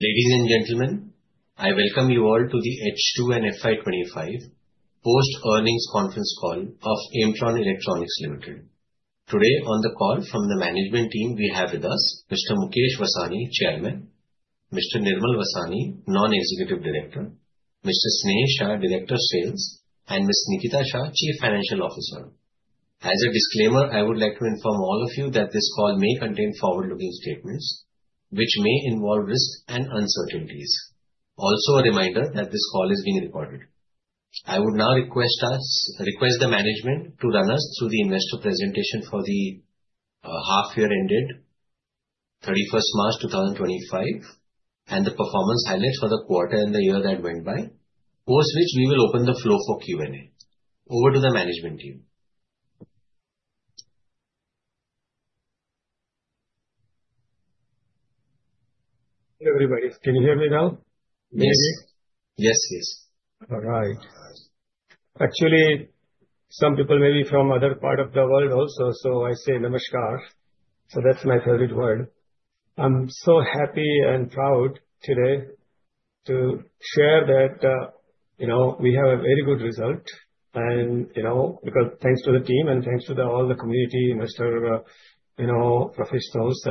Ladies and gentlemen, I welcome you all to the H2 and FY 2025 post-earnings conference call of Aimtron Electronics Limited. Today, on the call from the management team, we have with us Mr. Mukesh Vasani, Chairman, Mr. Nirmal Vasani, Non-Executive Director, Mr. Sneh Shah, Director of Sales, and Ms. Nikita Shah, Chief Financial Officer. As a disclaimer, I would like to inform all of you that this call may contain forward-looking statements, which may involve risks and uncertainties. A reminder that this call is being recorded. I would now request the management to run us through the investor presentation for the half year ended 31st March 2025, and the performance highlights for the quarter and the year that went by. Post which, we will open the floor for Q&A. Over to the management team. Hey, everybody. Can you hear me now? Yes. All right. Actually, some people may be from other parts of the world also, I say namaskar. That's my favorite word. I'm so happy and proud today to share that we have a very good result. Thanks to the team and thanks to all the community investor professionals,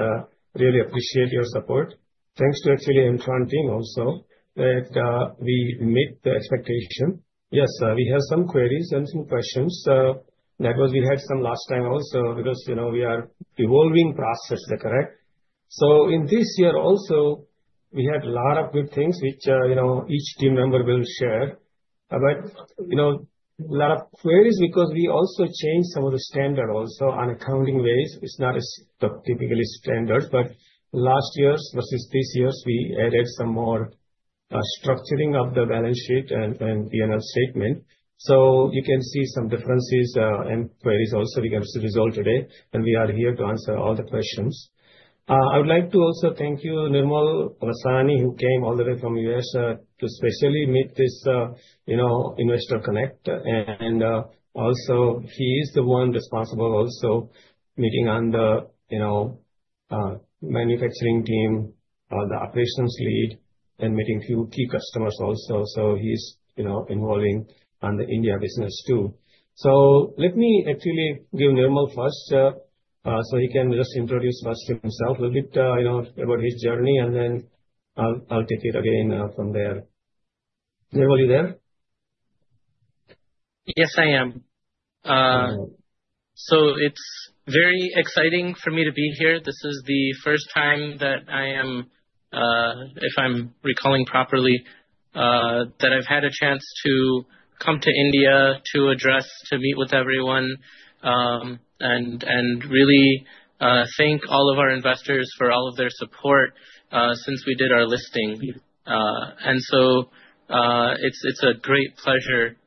really appreciate your support. Thanks to actually Aimtron team also that we meet the expectation. Yes, we have some queries and some questions. That was we had some last time also because we are evolving process. Is that correct? In this year also, we had a lot of good things, which each team member will share. Lot of queries because we also changed some of the standard also on accounting ways. It's not as typically standard, but last year's versus this year's, we added some more structuring of the balance sheet and P&L statement. You can see some differences and queries also we can resolve today, we are here to answer all the questions. I would like to also thank you, Nirmal Vasani, who came all the way from U.S. to specially meet this investor connect. He is the one responsible also meeting on the manufacturing team, the operations lead, and meeting few key customers also. He's involving on the India business too. Let me actually give Nirmal first, he can just introduce first himself a little bit, about his journey, and then I'll take it again from there. Nirmal, you there? Yes, I am. All right. It's very exciting for me to be here. This is the first time that I am, if I'm recalling properly, that I've had a chance to come to India to address, to meet with everyone, and really thank all of our investors for all of their support since we did our listing. It's a great pleasure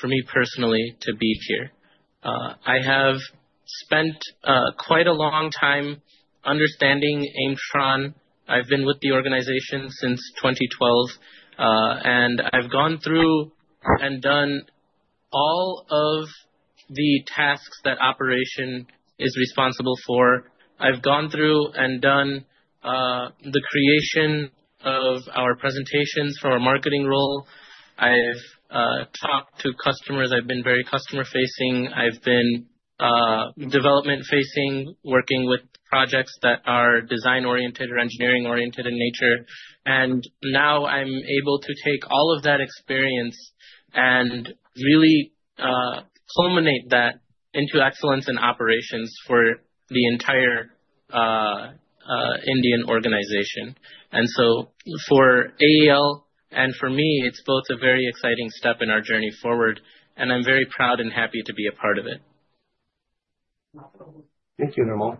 for me personally to be here. I have spent quite a long time understanding Aimtron. I've been with the organization since 2012. I've gone through and done all of the tasks that operation is responsible for. I've gone through and done the creation of our presentations for our marketing role. I've talked to customers. I've been very customer-facing. I've been development-facing, working with projects that are design-oriented or engineering-oriented in nature. Now I'm able to take all of that experience and really culminate that into excellence in operations for the entire Indian organization. For AEL and for me, it's both a very exciting step in our journey forward, and I'm very proud and happy to be a part of it. Thank you, Nirmal.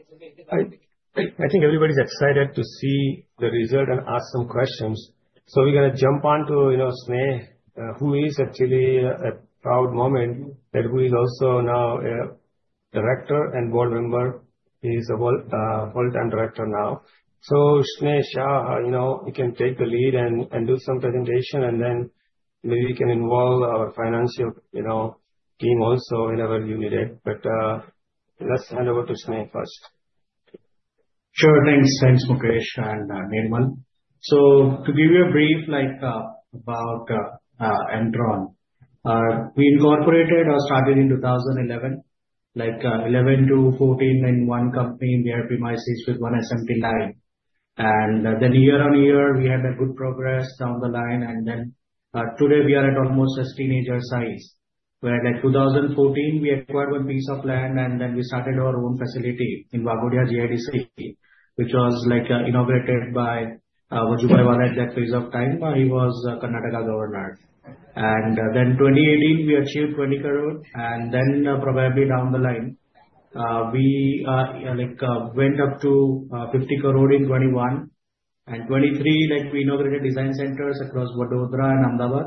I think everybody's excited to see the result and ask some questions. We're going to jump onto Sneh, who is actually a proud moment, that who is also now a director and board member. He's a full-time director now. Sneh Shah, you can take the lead and do some presentation, and then maybe we can involve our financial team also whenever you need it. Let's hand over to Sneh first. Sure thing. Thanks, Mukesh and Nirmal. To give you a brief about Aimtron. We incorporated or started in 2011, like 2011 to 2014 in one company in their premises with one SMT line. Year on year, we had a good progress down the line. Today we are at almost a teenager size. Where in 2014, we acquired one piece of land, and then we started our own facility in Waghodia, GIDC, which was inaugurated by Vajubhai Vala at that phase of time. He was Karnataka Governor. In 2018, we achieved 20 crore. Probably down the line, we went up to 50 crore in 2021. In 2023, we inaugurated design centers across Vadodara and Ahmedabad.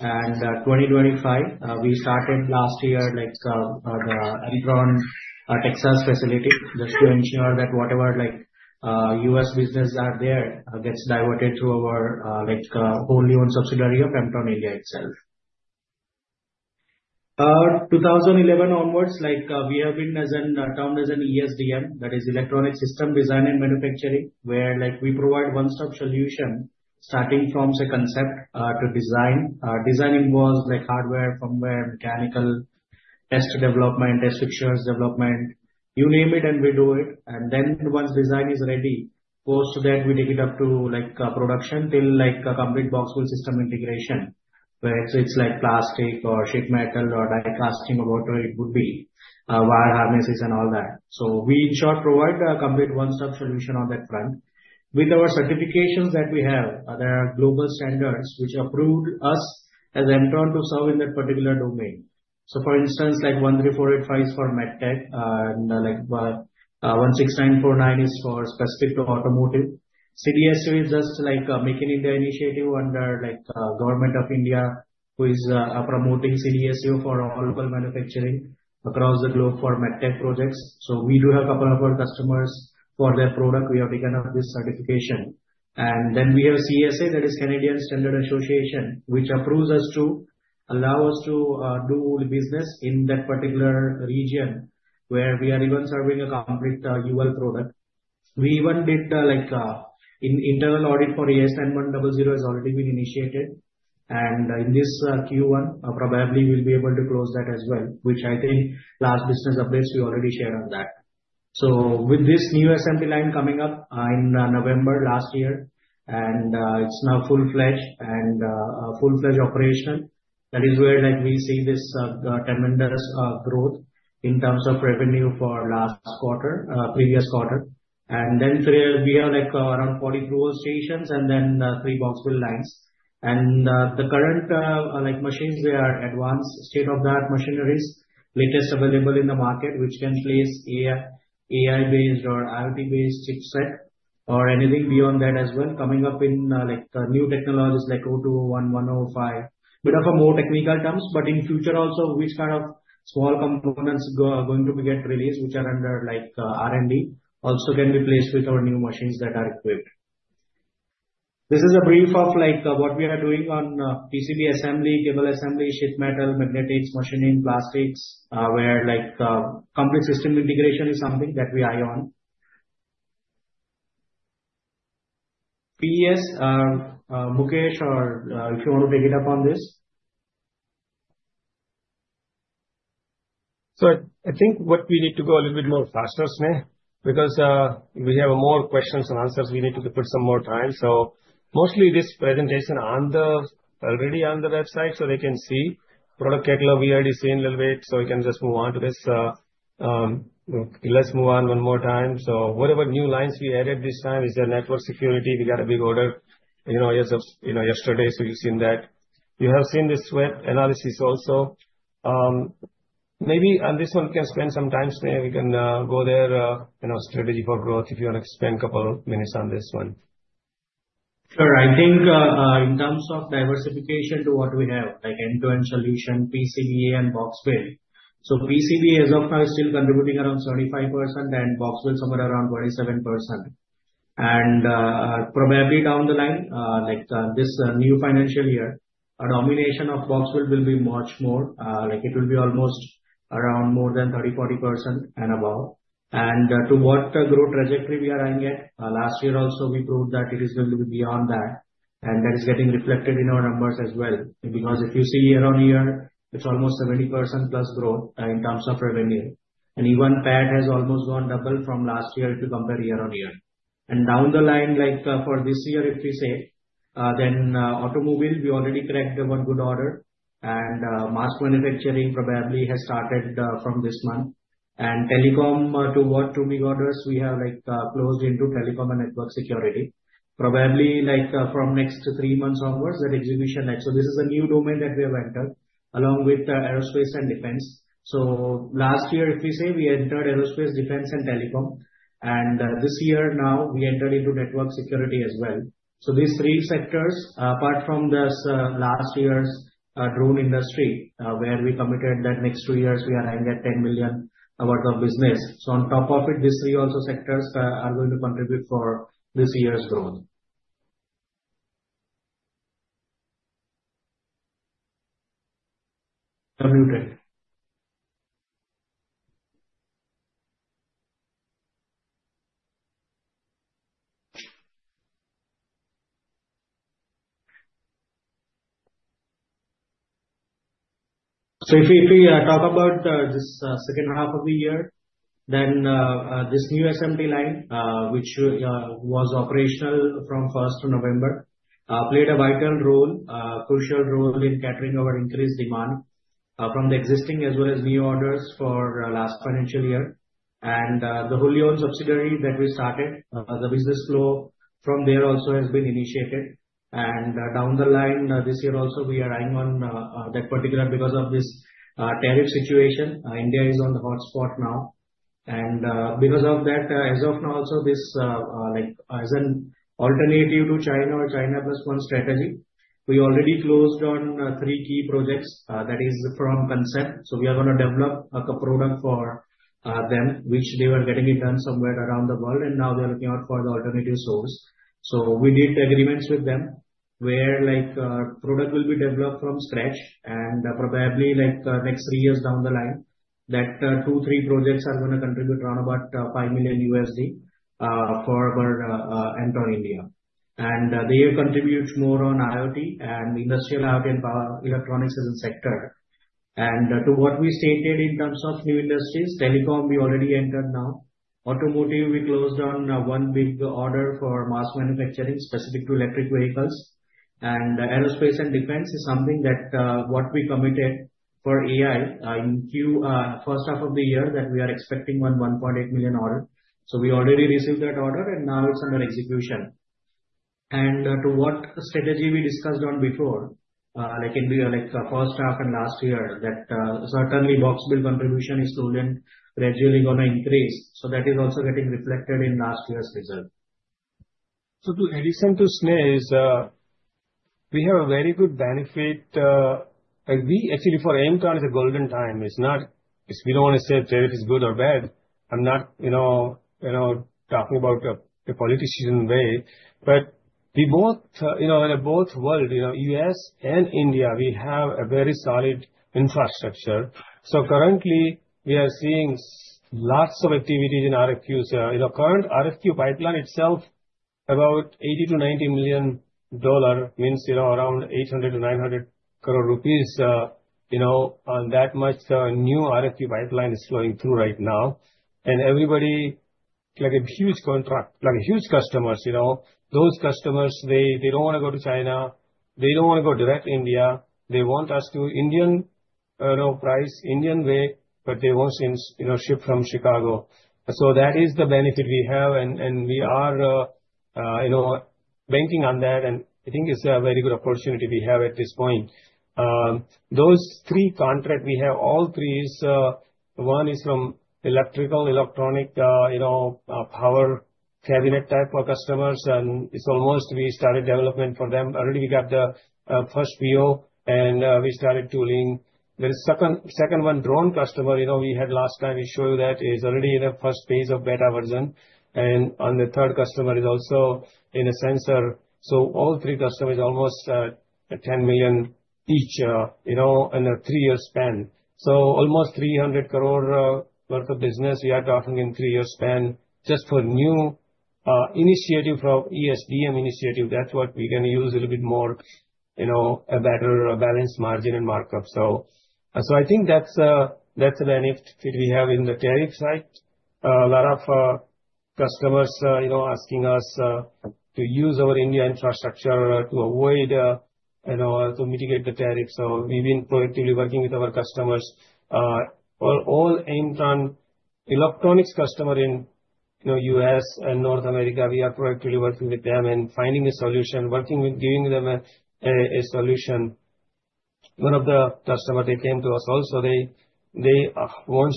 In 2025, we started last year the Aimtron Texas facility just to ensure that whatever U.S. business are there gets diverted through our only owned subsidiary of Aimtron India itself. 2011 onwards, we have been known as an ESDM, that is Electronic System Design and Manufacturing, where we provide one-stop solution, starting from say concept to design. Design involves hardware, firmware, mechanical, test development, test fixtures development. You name it, and we do it. Once design is ready, post that, we take it up to production till complete box build system integration, where it's like plastic or sheet metal or die casting or whatever it would be, wire harnesses and all that. We in short provide a complete one-stop solution on that front. With our certifications that we have, there are global standards which approved us as Aimtron to serve in that particular domain. For instance, like 13485 is for MedTech, and 16949 is for specific to automotive. CDSCO is just like Make in India initiative under Government of India, who is promoting CDSCO for all local manufacturing across the globe for MedTech projects. We do have a couple of our customers for their product, we have taken up this certification. We have CSA, that is Canadian Standards Association, which approves us to allow us to do the business in that particular region where we are even serving a complete UL product. We even did, like, an internal audit for AS9100 has already been initiated. In this Q1, probably we'll be able to close that as well, which I think last business updates we already shared on that. With this new assembly line coming up in November last year, and it's now full-fledged and full-fledged operation. That is where we see this tremendous growth in terms of revenue for last quarter, previous quarter. We have around 42 stations and three box build lines. The current machines, they are advanced state-of-the-art machineries, latest available in the market, which can place AI-based or IoT-based chipset or anything beyond that as well, coming up in new technologies like 0201, 105. Bit of a more technical terms, but in future also, which kind of small components are going to get released, which are under R&D also can be placed with our new machines that are equipped. This is a brief of what we are doing on PCB assembly, cable assembly, sheet metal, magnetics, machining, plastics, where complete system integration is something that we eye on. Mukesh, or if you want to pick it up on this. I think what we need to go a little bit more faster, Sneha. Because we have more questions and answers, we need to put some more time. Mostly this presentation already on the website, so they can see. Product catalog, we already seen a little bit, so we can just move on to this. Let's move on one more time. Whatever new lines we added this time is the network security. We got a big order, as of yesterday, so you've seen that. You have seen the SWOT analysis also. Maybe on this one we can spend some time, Sneha. We can go there, strategy for growth, if you want to spend a couple of minutes on this one. Sure. I think, in terms of diversification to what we have, like end-to-end solution, PCBA, and box build. PCBA as of now is still contributing around 35%, and box build somewhere around 27%. Probably down the line, like this new financial year, a domination of box build will be much more. It will be almost around more than 30, 40% and above. To what growth trajectory we are eyeing at, last year also we proved that it is going to be beyond that, and that is getting reflected in our numbers as well. If you see year-over-year, it's almost 70% plus growth in terms of revenue. Even PAT has almost gone double from last year to compare year-over-year. Down the line, like for this year, if we say, then automobile, we already cracked one good order, and mass manufacturing probably has started from this month. Telecom, two big orders we have closed into telecom and network security. Probably from next three months onwards, the exhibition. This is a new domain that we have entered, along with aerospace and defense. Last year, if we say, we entered aerospace, defense, and telecom. This year now we entered into network security as well. These three sectors, apart from this last year's drone industry, where we committed that next two years we are eyeing that 10 million worth of business. On top of it, these three also sectors are going to contribute for this year's growth. That'd be great. If we talk about this second half of the year, then this new assembly line which was operational from 1st of November played a vital role, crucial role in catering our increased demand from the existing as well as new orders for last financial year. The wholly owned subsidiary that we started, the business flow from there also has been initiated. Down the line this year also we are eyeing on that particular because of this tariff situation. India is on the hotspot now. Because of that, as of now also this as an alternative to China or China Plus One strategy, we already closed on three key projects. That is from concept. We are going to develop a product for them, which they were getting it done somewhere around the world, and now they're looking out for the alternative source. We did agreements with them where product will be developed from scratch and probably next three years down the line, that two, three projects are going to contribute around about $5 million for our Aimtron India. They contribute more on IoT and industrial IoT and power electronics as a sector. To what we stated in terms of new industries, telecom, we already entered now. Automotive, we closed on one big order for mass manufacturing specific to electric vehicles. Aerospace and defense is something that what we committed for AI in first half of the year that we are expecting 1.8 million order. We already received that order, and now it's under execution. To what strategy we discussed on before, like in the first half and last year, that certainly box build contribution is slowly and gradually going to increase. That is also getting reflected in last year's result. To addition to Sneh is, we have a very good benefit. Actually, for Aimtron, it's a golden time. We don't want to say tariff is good or bad. I'm not talking about a politician way. Both world, U.S. and India, we have a very solid infrastructure. Currently, we are seeing lots of activities in RFQs. Current RFQ pipeline itself, about $80 million-$90 million means around 800 crore-900 crore rupees. That much new RFQ pipeline is flowing through right now. Everybody, a huge contract, huge customers. Those customers, they don't want to go to China. They don't want to go direct India. They want us to Indian price, Indian way, but they want things shipped from Chicago. That is the benefit we have, and we are banking on that, and I think it's a very good opportunity we have at this point. Those three contract we have, all three is, one is from electrical, electronic power cabinet type for customers, and it's almost we started development for them already. We got the first PO and we started tooling. There is second one, drone customer, we had last time, we showed you that, is already in the first phase of beta version. On the third customer is also in a sensor. All three customers, almost $10 million each in a 3-year span. Almost 300 crore worth of business we are talking in 3-year span just for new initiative from ESDM initiative. That's what we're going to use a little bit more, a better balanced margin and markup. I think that's the benefit we have in the tariff side. A lot of customers asking us to use our India infrastructure to mitigate the tariff. We've been proactively working with our customers. All Aimtron Electronics customer in U.S. and North America, we are proactively working with them and finding a solution, working with giving them a solution. One of the customer, they came to us also. They are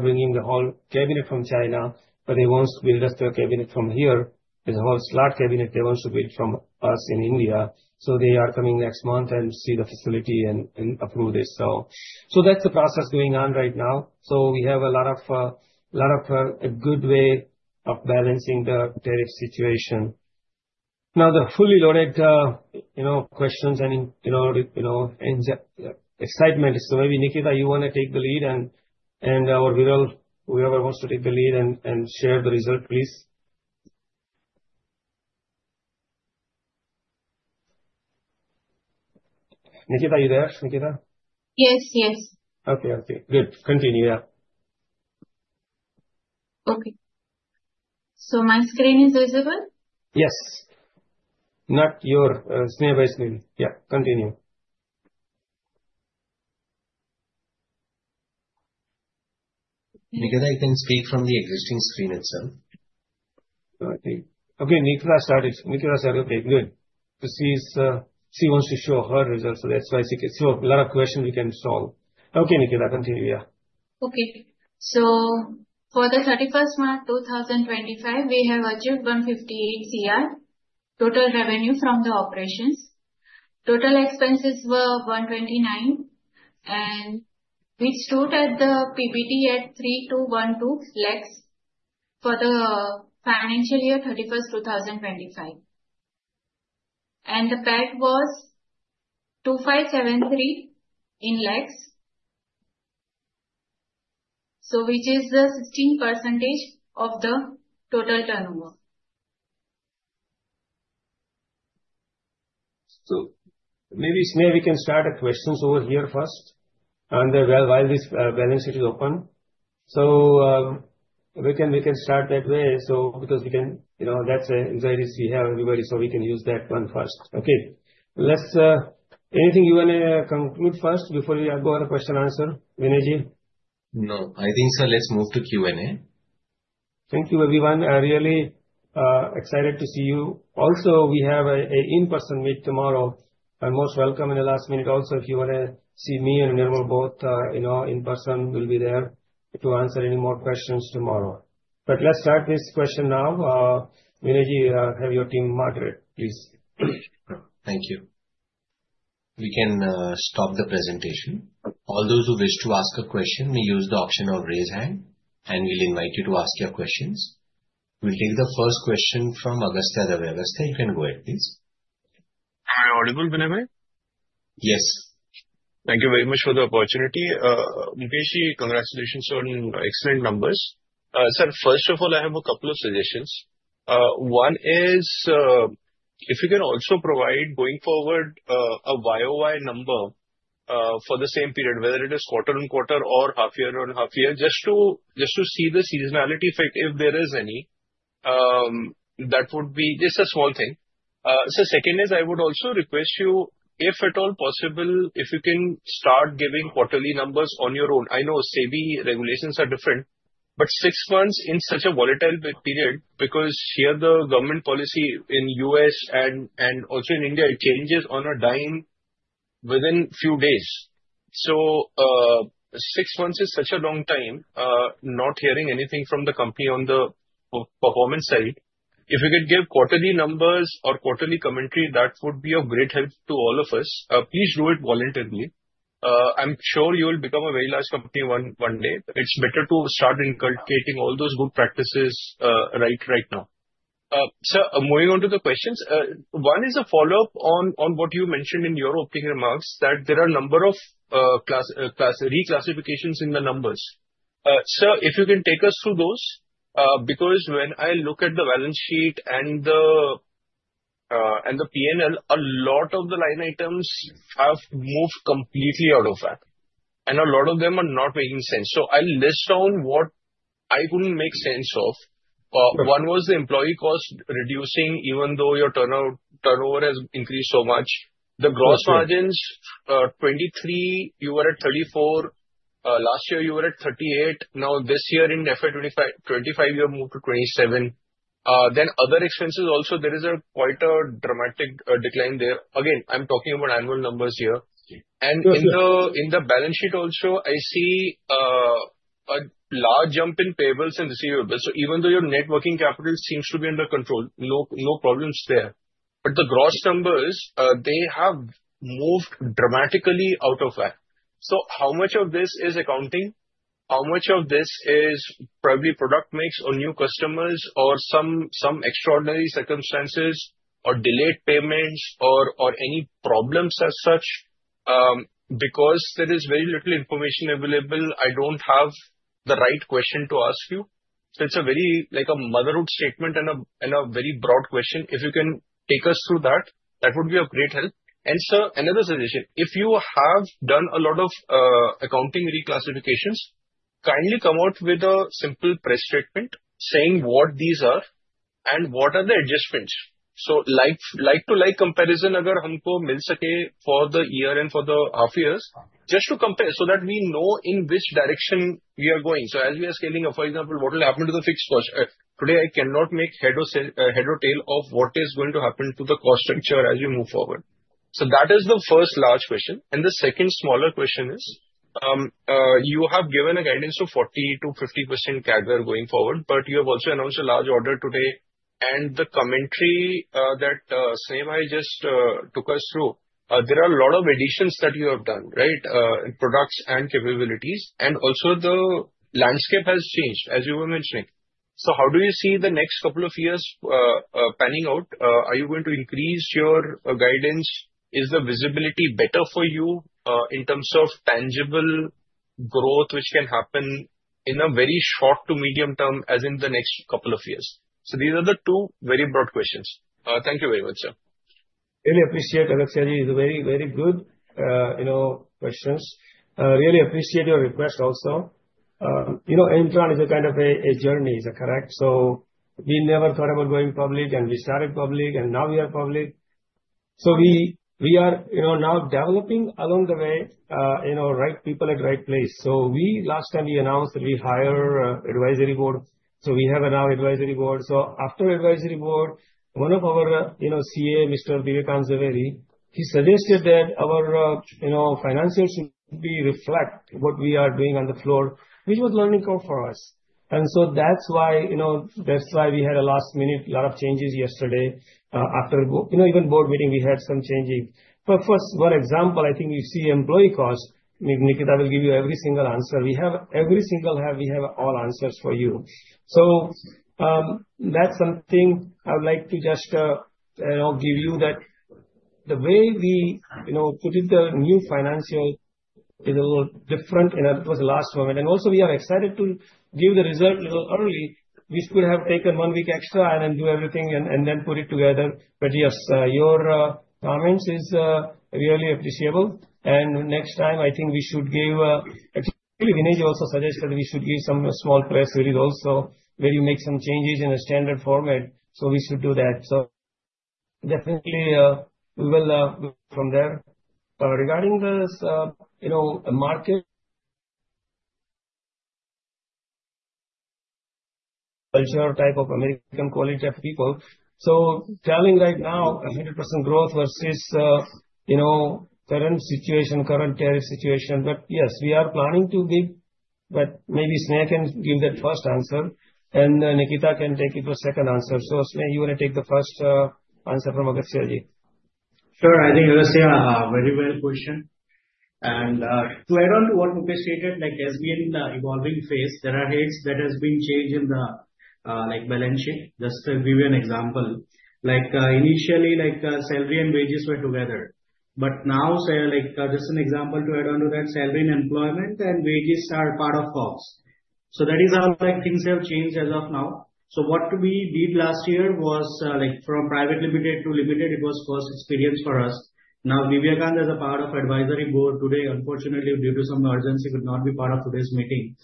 bringing the whole cabinet from China, but they want to build just a cabinet from here. There's a whole slot cabinet they want to build from us in India. They are coming next month and see the facility and approve this. That's the process going on right now. We have a good way of balancing the tariff situation. Now, the fully loaded questions and excitement. Maybe Nikita, you want to take the lead and our Viral, whoever wants to take the lead and share the result, please. Nikita, are you there? Nikita? Yes, yes. Okay, okay. Good. Continue. Yeah. Okay. My screen is visible? Yes. Not yours. Sneha's screen. Yeah, continue. Nikita, you can speak from the existing screen itself. Nikita has started. Good. She wants to show her results. That's why. A lot of question we can solve. Nikita, continue. Yeah. For the thirty-first March 2025, we have achieved 158 CR total revenue from the operations. Total expenses were 129, and we stood at the PBT at 3,212 lakhs for the financial year thirty-first 2025. The PAT was INR 2,573 lakhs. Which is the 16% of the total turnover. Maybe, Sneha, we can start the questions over here first while this balance sheet is open. We can start that way. That's a advantage we have everybody, so we can use that one first. Anything you want to conclude first before we go on a question answer, Vinayji? No. I think, sir, let's move to Q&A. Thank you everyone. I am really excited to see you. Also, we have a in-person meet tomorrow. You are most welcome in the last minute also, if you want to see me and Nirmal both in person, we'll be there to answer any more questions tomorrow. Let's start this question now. Vinayji, have your team moderate, please. Thank you. We can stop the presentation. All those who wish to ask a question may use the option of raise hand, and we'll invite you to ask your questions. We'll take the first question from Agastha. Agastha, you can go ahead, please. Am I audible, Vinay? Yes. Thank you very much for the opportunity. Mukesh, congratulations on excellent numbers. Sir, first of all, I have a couple of suggestions. One is if you can also provide going forward a year-over-year number for the same period, whether it is quarter-over-quarter or half-year-over-half-year, just to see the seasonality effect, if there is any. That would be just a small thing. Sir, second is I would also request you, if at all possible, if you can start giving quarterly numbers on your own. I know SEBI regulations are different, but 6 months in such a volatile period, because here the government policy in U.S. and also in India, it changes on a dime within few days. 6 months is such a long time, not hearing anything from the company on the performance side. If you could give quarterly numbers or quarterly commentary, that would be of great help to all of us. Please do it voluntarily. I'm sure you'll become a very large company one day. It's better to start inculcating all those good practices right now. Sir, moving on to the questions. One is a follow-up on what you mentioned in your opening remarks, that there are a number of reclassifications in the numbers. Sir, if you can take us through those because when I look at the balance sheet and the P&L, a lot of the line items have moved completely out of whack, and a lot of them are not making sense. I'll list down what I couldn't make sense of. One was the employee cost reducing even though your turnover has increased so much. The gross margins, 2023 you were at 34, last year you were at 38, now this year in FY 2025 you have moved to 27. Other expenses also, there is quite a dramatic decline there. Again, I'm talking about annual numbers here. Okay. In the balance sheet also, I see a large jump in payables and receivables. Even though your net working capital seems to be under control, no problems there. The gross numbers, they have moved dramatically out of whack. How much of this is accounting? How much of this is probably product mix or new customers or some extraordinary circumstances or delayed payments or any problems as such? Because there is very little information available, I don't have the right question to ask you. It's a very motherhood statement and a very broad question. If you can take us through that would be of great help. Sir, another suggestion. If you have done a lot of accounting reclassifications, kindly come out with a simple press statement saying what these are and what are the adjustments. Like-to-like comparison, if we can get for the year and for the half years. Just to compare so that we know in which direction we are going. As we are scaling up, for example, what will happen to the fixed cost? Today, I cannot make head or tail of what is going to happen to the cost structure as you move forward. That is the first large question. The second smaller question is, you have given a guidance of 40% to 50% CAGR going forward, but you have also announced a large order today. The commentary that Samay just took us through, there are a lot of additions that you have done in products and capabilities. Also the landscape has changed, as you were mentioning. How do you see the next couple of years panning out? Are you going to increase your guidance? Is the visibility better for you in terms of tangible growth which can happen in a very short to medium term, as in the next couple of years? These are the two very broad questions. Thank you very much, sir. Really appreciate, Agastha. These are very good questions. Really appreciate your request also. Aimtron is a kind of a journey. Is that correct? We never thought about going public, and we started public, and now we are public. We are now developing along the way, right people at right place. Last time we announced that we hire advisory board, we have now advisory board. After advisory board, one of our CA, Mr. Viraj Zaveri, he suggested that our finances should reflect what we are doing on the floor. Which was learning curve for us. That's why we had a last minute lot of changes yesterday. Even board meeting, we had some changes. For example, I think you see employee cost. Nikita will give you every single answer. We have all answers for you. That's something I would like to just give you that the way we put it, the new financial is a little different, and that was the last moment. We are excited to give the result little early. We could have taken one week extra and then do everything and then put it together. Yes, your comments is really appreciable. Next time, I think we should give, actually Vineeth also suggested we should give some small press release also where you make some changes in a standard format. We should do that. Definitely we will go from there. Regarding this market culture type of American quality of people. Telling right now a 100% growth versus current tariff situation. Yes, we are planning to be. Maybe Sneha can give that first answer, and Nikita can take it for second answer. Sneha, you want to take the first answer from Agastya? Sure. I think that's a very well question. To add on to what Mukesh stated, as we are in the evolving phase, there are rates that has been changed in the balance sheet. Just to give you an example, initially, salary and wages were together. Now, just an example to add on to that, salary and employment and wages are part of costs. That is how things have changed as of now. What we did last year was, from private limited to limited, it was first experience for us. Now, Vivekananda is a part of advisory board today. Unfortunately, due to some urgency, could not be part of today's meeting.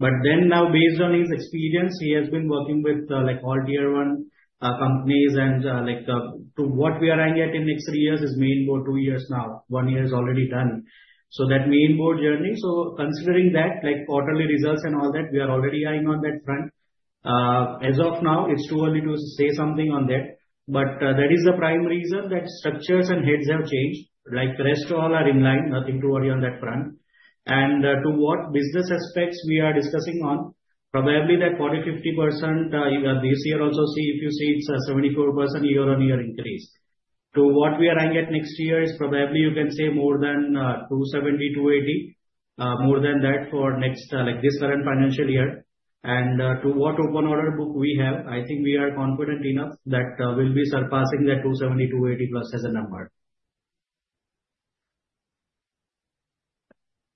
Now based on his experience, he has been working with all tier 1 companies and to what we are eyeing at in next three years is main board, two years now. One year is already done. That main board journey. Considering that, quarterly results and all that, we are already eyeing on that front. As of now, it's too early to say something on that. That is the prime reason that structures and heads have changed. Rest all are in line, nothing to worry on that front. To what business aspects we are discussing on, probably that 40%, 50%, this year also if you see it's a 74% year-on-year increase. To what we are eyeing at next year is probably you can say more than 270, 280. More than that for this current financial year. To what open order book we have, I think we are confident enough that we'll be surpassing that 270, 280 plus as a number.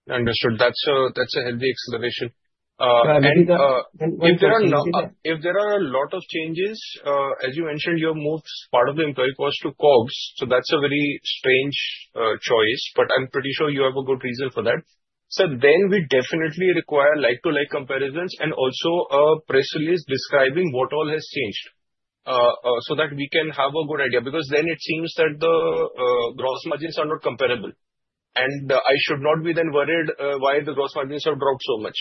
Understood. That's a healthy explanation. If there are a lot of changes, as you mentioned, you have moved part of the employee cost to COGS, that's a very strange choice, but I'm pretty sure you have a good reason for that. We definitely require like-to-like comparisons and also a press release describing what all has changed, so that we can have a good idea. Because then it seems that the gross margins are not comparable. I should not be then worried why the gross margins are broke so much.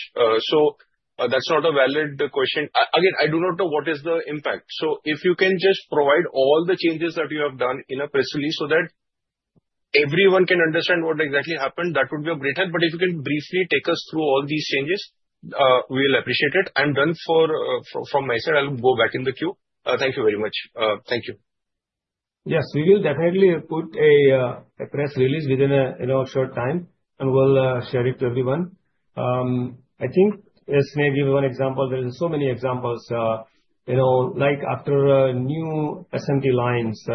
That's not a valid question. Again, I do not know what is the impact. If you can just provide all the changes that you have done in a press release so that everyone can understand what exactly happened, that would be of great help. If you can briefly take us through all these changes, we'll appreciate it. Done from my side, I'll go back in the queue. Thank you very much. Thank you. Yes, we will definitely put a press release within a short time, and we'll share it to everyone. I think, yes, maybe one example. There are so many examples. After new SMT lines,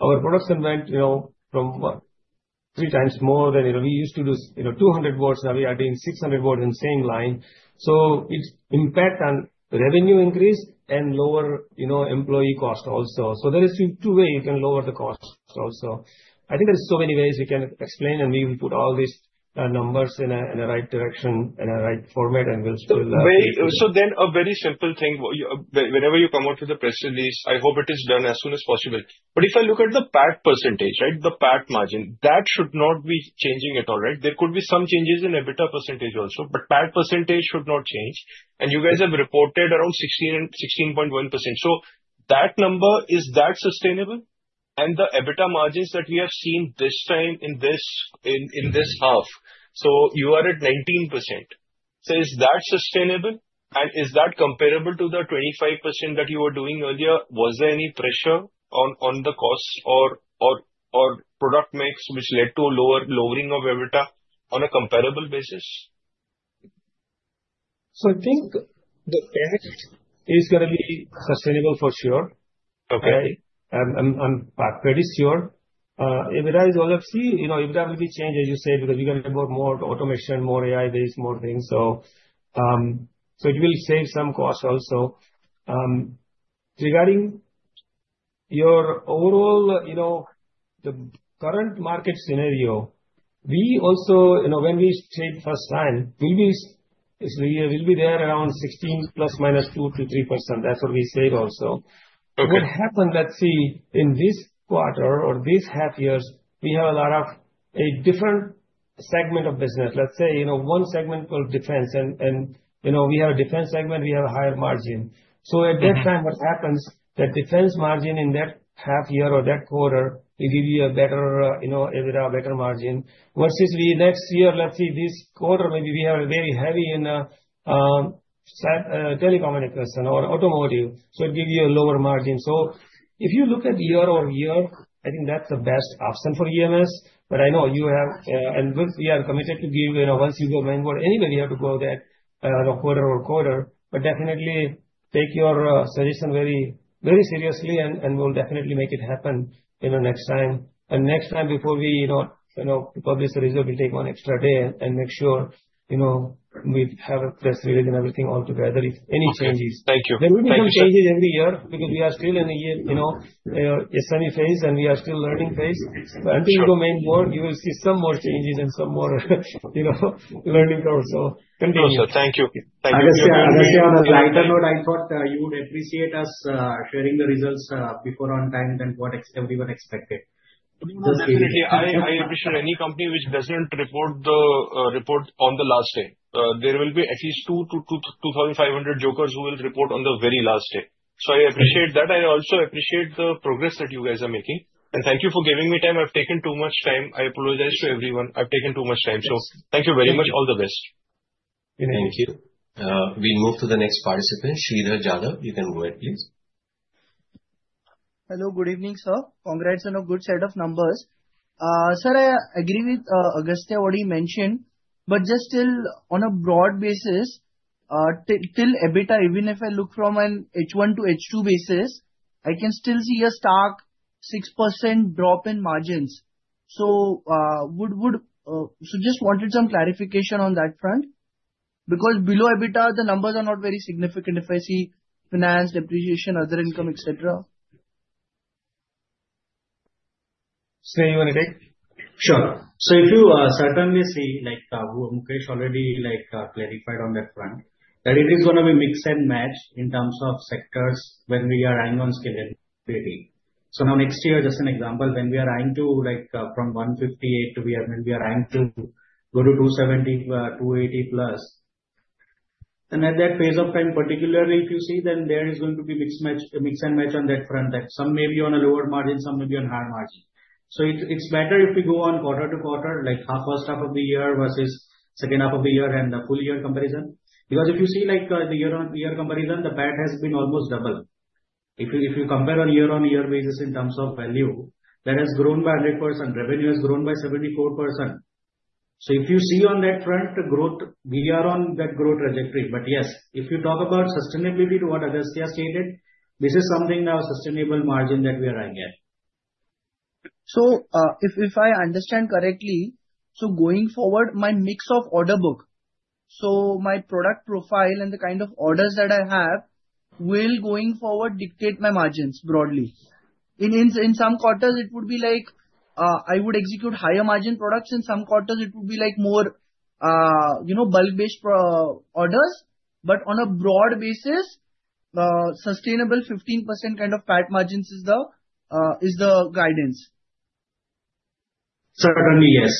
our production went three times more than we used to do, 200 boards, now we are doing 600 board in same line. It's impact on revenue increase and lower employee cost also. There is two way you can lower the cost also. I think there's so many ways we can explain, and we will put all these numbers in a right direction, in a right format. A very simple thing. Whenever you come out with a press release, I hope it is done as soon as possible. If I look at the PAT percentage, right, the PAT margin, that should not be changing at all, right? There could be some changes in EBITDA percentage also, but PAT percentage should not change. You guys have reported around 16.1%. That number, is that sustainable? The EBITDA margins that we have seen this time in this half. You are at 19%. Is that sustainable? Is that comparable to the 25% that you were doing earlier? Was there any pressure on the costs or product mix which led to lowering of EBITDA on a comparable basis? I think the PAT is going to be sustainable for sure. Okay. I'm pretty sure. EBITDA is all up, see, there will be change, as you said, because we are talking about more automation, more AI-based, more things. It will save some cost also. Regarding your overall, the current market scenario, when we state first time, this year we'll be there around 16 ± 2%-3%. That's what we said also. Okay. What happened, let's see, in this quarter or this half years, we have a lot of a different segment of business. Let's say, one segment called defense and we have a defense segment, we have a higher margin. At that time, what happens, that defense margin in that half year or that quarter will give you a better EBITDA, a better margin. Versus next year, let's see, this quarter, maybe we are very heavy in telecommunications or automotive, so it give you a lower margin. If you look at year-over-year, I think that's the best option for EMS. I know you have, and we are committed to give once you go main board, anyway, you have to go that quarter-over-quarter. Definitely take your suggestion very seriously, and we'll definitely make it happen next time. Next time before we publish the result, we'll take one extra day and make sure we have a press release and everything all together, if any changes. Okay. Thank you. There will be some changes every year because we are still in a semi phase, and we are still learning phase. Until you go main board, you will see some more changes and some more learning curve, continue. No, sir. Thank you. Thank you. Agastya, on a lighter note, I thought you would appreciate us sharing the results before on time than what everyone expected. No, definitely. I appreciate any company which doesn't report on the last day. There will be at least 2,500 jokers who will report on the very last day. I appreciate that. I also appreciate the progress that you guys are making. Thank you for giving me time. I've taken too much time. I apologize to everyone. I've taken too much time. Yes. Thank you very much. All the best. Thank you. We move to the next participant, Shridhar Jadhav. You can go ahead, please. Hello, good evening, sir. Congrats on a good set of numbers. Sir, I agree with Agastya what he mentioned, but just still on a broad basis, till EBITDA, even if I look from an H1 to H2 basis, I can still see a stark 6% drop in margins. Just wanted some clarification on that front, because below EBITDA the numbers are not very significant if I see finance, depreciation, other income, et cetera. Sneha, you want to take? Sure. If you certainly see, like Mukesh already clarified on that front, that it is going to be mix and match in terms of sectors when we are eyeing on scale-up, really. Now next year, just an example, when we are eyeing to from 158, we are eyeing to go to 270, 280+. At that phase of time, particularly if you see, there is going to be mix and match on that front, that some may be on a lower margin, some may be on higher margin. It's better if we go on quarter to quarter, like first half of the year versus second half of the year and the full year comparison. If you see the year-on-year comparison, the PAT has been almost double. If you compare on year-on-year basis in terms of value, that has grown by 100%. Revenue has grown by 74%. If you see on that front growth, we are on that growth trajectory. Yes, if you talk about sustainability to what Agastya stated, this is something now sustainable margin that we are eyeing at. If I understand correctly, going forward, my mix of order book, my product profile and the kind of orders that I have will, going forward, dictate my margins broadly. In some quarters it would be like I would execute higher margin products. In some quarters it would be more bulb-based orders. On a broad basis, sustainable 15% kind of PAT margins is the guidance. Certainly, yes.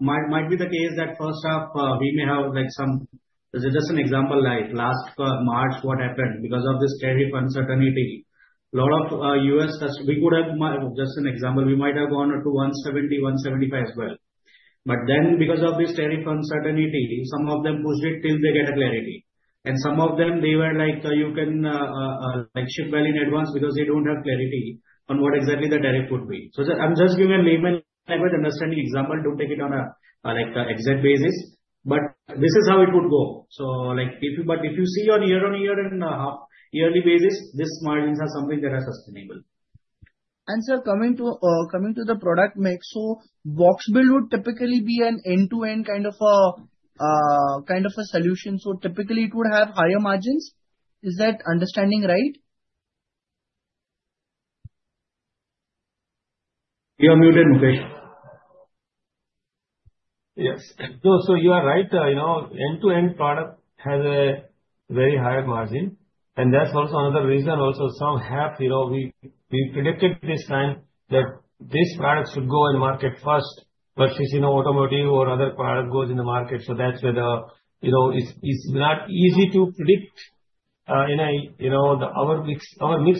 Might be the case that first half, we may have some, just an example, like last March, what happened because of this tariff uncertainty, a lot of U.S. just an example, we might have gone up to 170, 175 as well. Because of this tariff uncertainty, some of them pushed it till they get a clarity. Some of them, they were like, you can ship well in advance because you don't have clarity on what exactly the tariff would be. I'm just giving a layman understanding example. Don't take it on an exact basis. This is how it would go. If you see on year-on-year and half-yearly basis, these margins are something that are sustainable. Sir, coming to the product mix. Box build would typically be an end-to-end kind of a solution. Typically it would have higher margins. Is that understanding right? You are muted, Mukesh. Yes. You are right. End-to-end product has a very higher margin, that's also another reason also some have we predicted this time that this product should go in the market first, since automotive or other product goes in the market. That's why it's not easy to predict. Our mix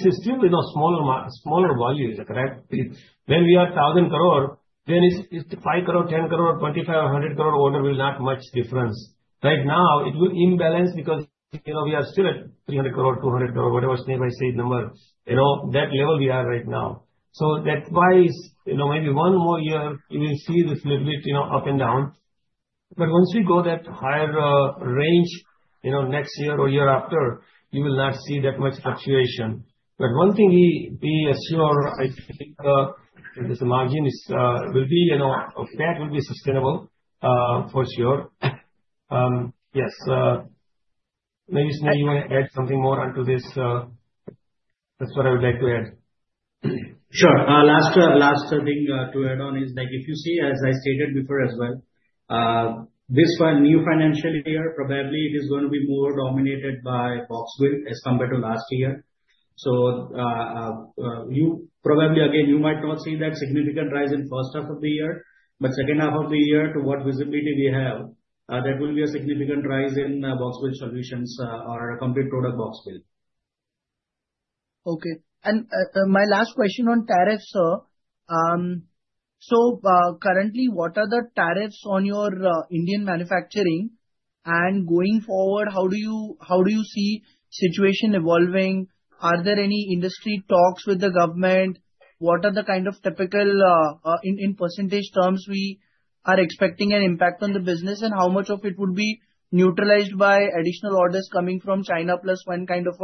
is still smaller volume. Is that correct? When we are 1,000 crore, then it's 5 crore, 10 crore, 25 or 100 crore order will not much difference. Right now it will imbalance because we are still at 300 crore, 200 crore, whatever stage by stage number, that level we are right now. That's why maybe one more year you will see this little bit up and down. Once we go that higher range next year or year after, you will not see that much fluctuation. One thing we assure, I think this margin PAT will be sustainable for sure. Yes. Maybe, Mr. Sneh Shah, you may add something more onto this. That's what I would like to add. Sure. Last thing to add on is if you see, as I stated before as well, this new financial year, probably it is going to be more dominated by box build as compared to last year. Probably, again, you might not see that significant rise in first half of the year, but second half of the year to what visibility we have, there will be a significant rise in box build solutions or complete product box build. Okay. My last question on tariffs, sir. Currently what are the tariffs on your Indian manufacturing and going forward, how do you see situation evolving? Are there any industry talks with the Government? What are the kind of typical, in percentage terms, we are expecting an impact on the business and how much of it would be neutralized by additional orders coming from China Plus One kind of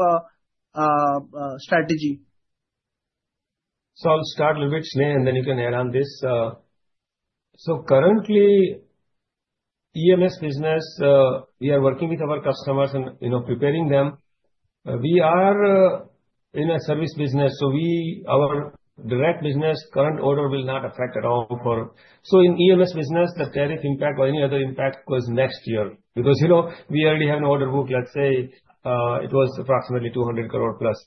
a strategy? I'll start a little bit, Mr. Sneh Shah, and then you can add on this. Currently, EMS business, we are working with our customers and preparing them. We are in a service business, so our direct business current order will not affect at all. In EMS business, the tariff impact or any other impact goes next year because we already have an order book, let's say it was approximately 200 crore plus.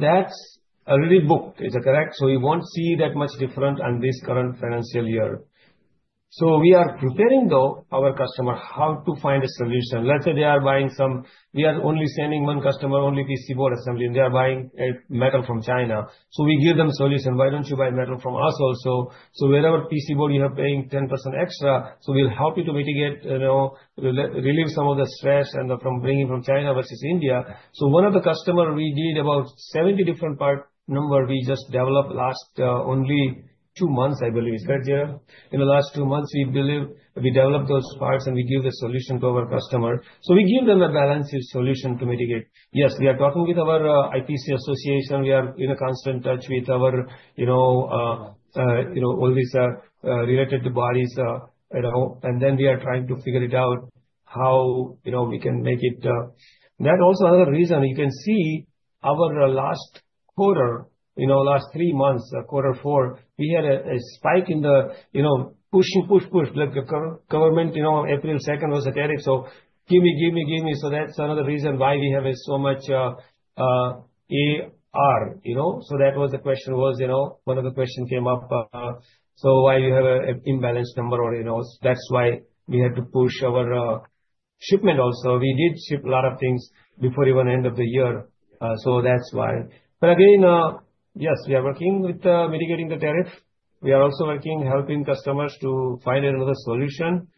That's already booked. Is that correct? We won't see that much different on this current financial year. We are preparing our customer how to find a solution. We are only sending one customer, only PC Board Assembly, and they are buying metal from China. We give them solution, "Why don't you buy metal from us also? Wherever PC board you are paying 10% extra, so we'll help you to mitigate, relieve some of the stress and from bringing from China versus India. One of the customer, we did about 70 different part number we just developed last only two months, I believe. Is that, Jair? In the last two months, we developed those parts and we give the solution to our customer. We give them a balanced solution to mitigate. Yes, we are talking with our IPC association. We are in constant touch with all these related bodies, and then we are trying to figure it out how we can make it. That also another reason you can see our last quarter, last three months, quarter four, we had a spike in the push. Like the government, April 2nd was a tariff, so give me. That's another reason why we have so much AR. That was the question. One of the question came up, so why you have an imbalance number or that's why we had to push our shipment also. We did ship a lot of things before even end of the year. That's why. Again, yes, we are working with mitigating the tariff. We are also working helping customers to find another solution.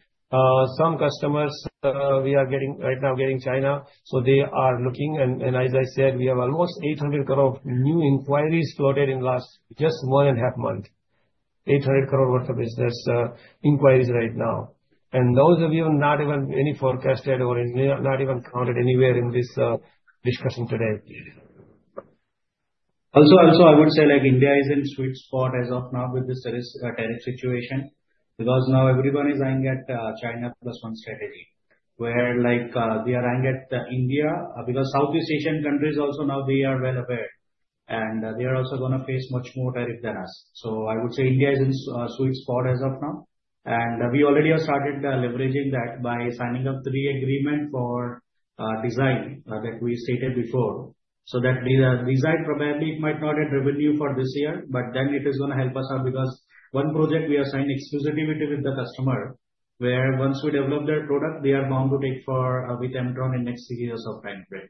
Some customers we are right now getting China, so they are looking and as I said, we have almost 800 crore new inquiries floated in last just more than half month. 800 crore worth of business inquiries right now. Those have even not even any forecast yet or not even counted anywhere in this discussion today. Also, I would say India is in sweet spot as of now with this tariff situation because now everyone is eyeing at China Plus One strategy, where they are eyeing at India because Southeast Asian countries also now they are well aware. They are also going to face much more tariff than us. I would say India is in sweet spot as of now. We already have started leveraging that by signing up three agreement for design that we stated before. That design, probably it might not add revenue for this year, but then it is going to help us out because one project we have signed exclusivity with the customer, where once we develop their product, they are bound to take for with Aimtron in next three years of timeframe.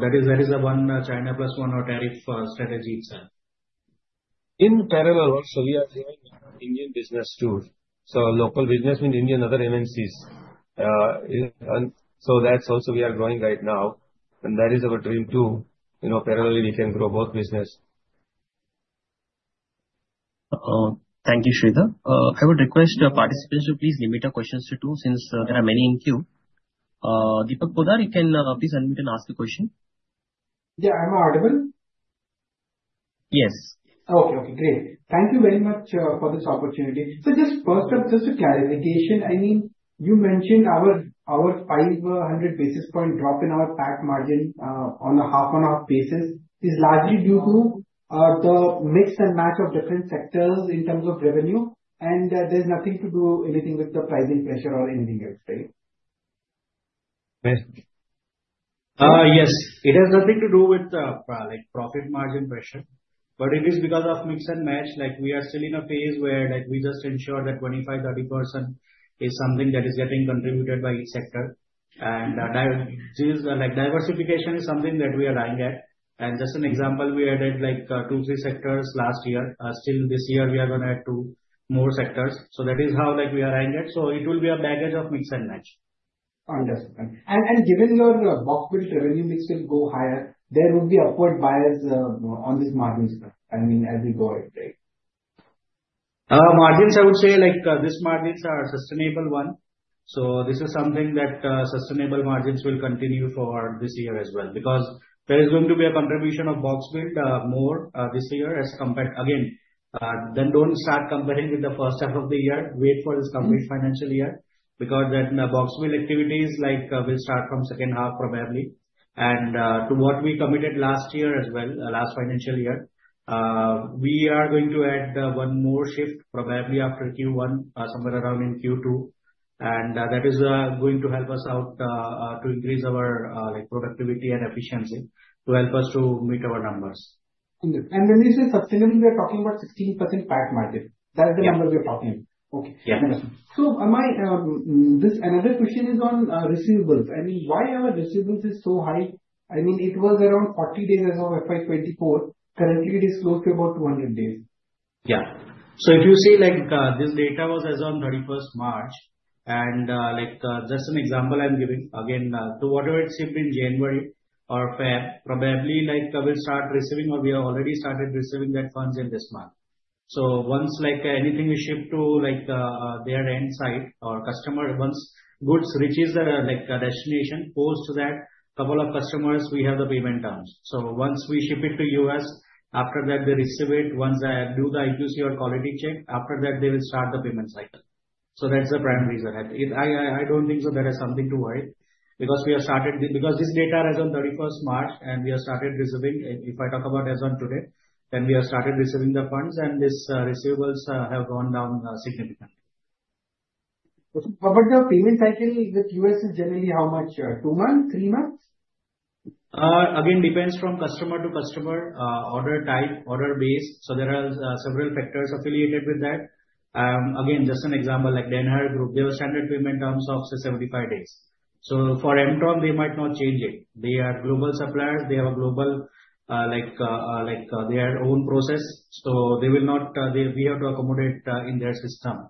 That is the one China Plus One tariff strategy itself. In parallel also, we are growing our Indian business too. Local business mean Indian other MNCs. That also we are growing right now and that is our dream too. Parallelly we can grow both business. Thank you, Sridhar. I would request participants to please limit your questions to two since there are many in queue. Deepak Poddar you can please unmute and ask the question. Yeah. Am I audible? Yes. Okay, great. Thank you very much for this opportunity. Just first up, just a clarification. You mentioned our 500 basis point drop in our PAT margin on a half on half basis is largely due to the mix and match of different sectors in terms of revenue, there's nothing to do anything with the pricing pressure or anything else, right? Yes. It has nothing to do with profit margin pressure, it is because of mix and match. We are still in a phase where we just ensure that 25%, 30% is something that is getting contributed by each sector. Diversification is something that we are eyeing at. Just an example, we added two, three sectors last year. Still this year, we are going to add two more sectors. That is how we are eyeing it. It will be a baggage of mix and match. Understood. Given your box build revenue mix will go higher, there will be upward bias on these margins, as we go ahead, right? Margins, I would say, these margins are sustainable one. This is something that sustainable margins will continue for this year as well. There is going to be a contribution of box build more this year as compared. Don't start comparing with the first half of the year. Wait for this complete financial year because box build activities will start from second half probably. To what we committed last year as well, last financial year. We are going to add one more shift probably after Q1, somewhere around in Q2. That is going to help us out to increase our productivity and efficiency to help us to meet our numbers. Understood. When we say sustainably, we're talking about 16% PAT margin. That's the number we're talking. Yeah. Okay. Understood. Another question is on receivables. Why our receivables is so high? It was around 40 days as of FY 2024. Currently, it is close to about 200 days. If you see, this data was as on 31st March. Just an example I'm giving. Again, to whatever it's shipped in January or Feb, probably we'll start receiving or we have already started receiving that funds in this month. Once anything we ship to their end site or customer, once goods reaches their destination, post that, couple of customers we have the payment terms. Once we ship it to U.S., after that they receive it, once they do the IQC or quality check, after that they will start the payment cycle. That's the primary reason. I don't think so that is something to worry. This data as on 31st March and we have started receiving. If I talk about as on today, we have started receiving the funds and this receivables have gone down significantly. What about your payment cycle with U.S. is generally how much? Two months, three months? Again, depends from customer to customer, order type, order base. There are several factors affiliated with that. Again, just an example, like Danaher Corporation, they have a standard payment terms of say 75 days. For Aimtron, they might not change it. They are global suppliers. They have a global, they have their own process, we have to accommodate in their system.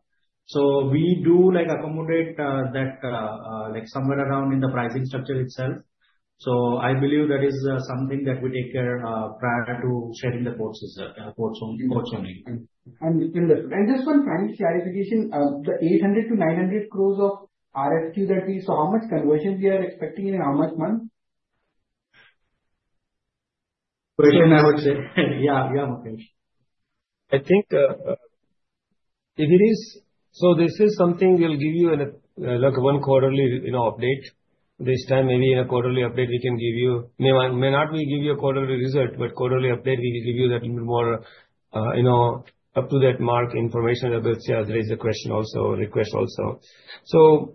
We do accommodate that, somewhere around in the pricing structure itself. I believe that is something that we take care prior to sharing the quotes only. Just one tiny clarification, the 800 crore-900 crore of RFQ that we saw, how much conversion we are expecting in how much month? Question I would say. Yeah, Mukesh. I think so this is something we'll give you one quarterly update this time. Maybe in a quarterly update we can give you May not we give you a quarterly result, but quarterly update we will give you that little more up to that mark information about sales. There is a question also, request also.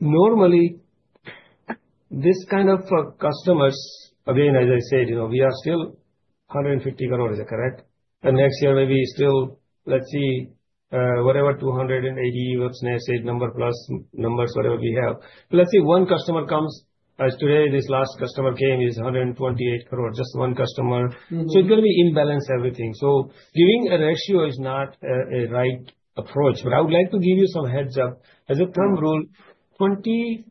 Normally, this kind of customers, again, as I said, we are still 150 crores. Is that correct? Next year maybe still, let's see, whatever 280 was Nes said, plus numbers, whatever we have. Let's say one customer comes, as today this last customer came is 128 crores, just one customer. It's going to be in balance everything. Giving a ratio is not a right approach, but I would like to give you some heads up. As a thumb rule, 20%-40%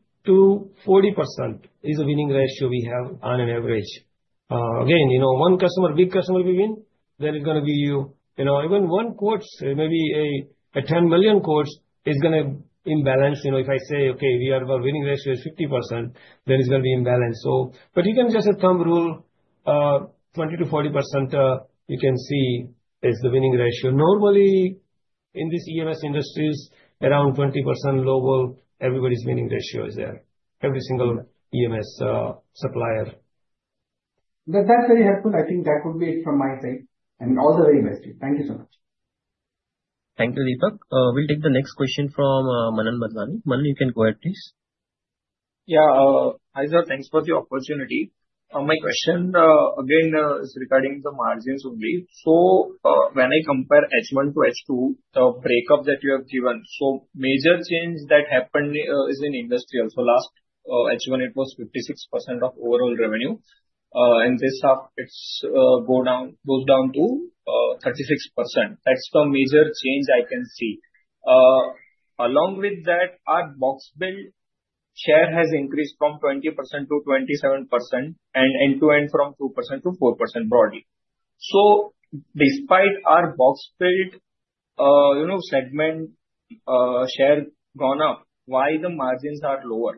is a winning ratio we have on an average. Again, one customer, big customer will win, then it's going to give you Even one quote, maybe a 10 million quotes is going to imbalance. If I say, okay, our winning ratio is 50%, then it's going to be imbalance. You can just say thumb rule, 20%-40%, you can see is the winning ratio. Normally, in this EMS industries, around 20% global, everybody's winning ratio is there. Every single EMS supplier. That's very helpful. I think that could be it from my side. All the very best to you. Thank you so much. Thank you, Deepak. We'll take the next question from Manan Madnani. Manan, you can go ahead, please. Hi sir. Thanks for the opportunity. My question again, is regarding the margins only. When I compare H1 to H2, the breakup that you have given. Major change that happened is in industrial. Last H1, it was 56% of overall revenue. This half it goes down to 36%. That's the major change I can see. Along with that, our box build share has increased from 20% to 27% and end-to-end from 2% to 4% broadly. Despite our box build segment share gone up, why the margins are lower?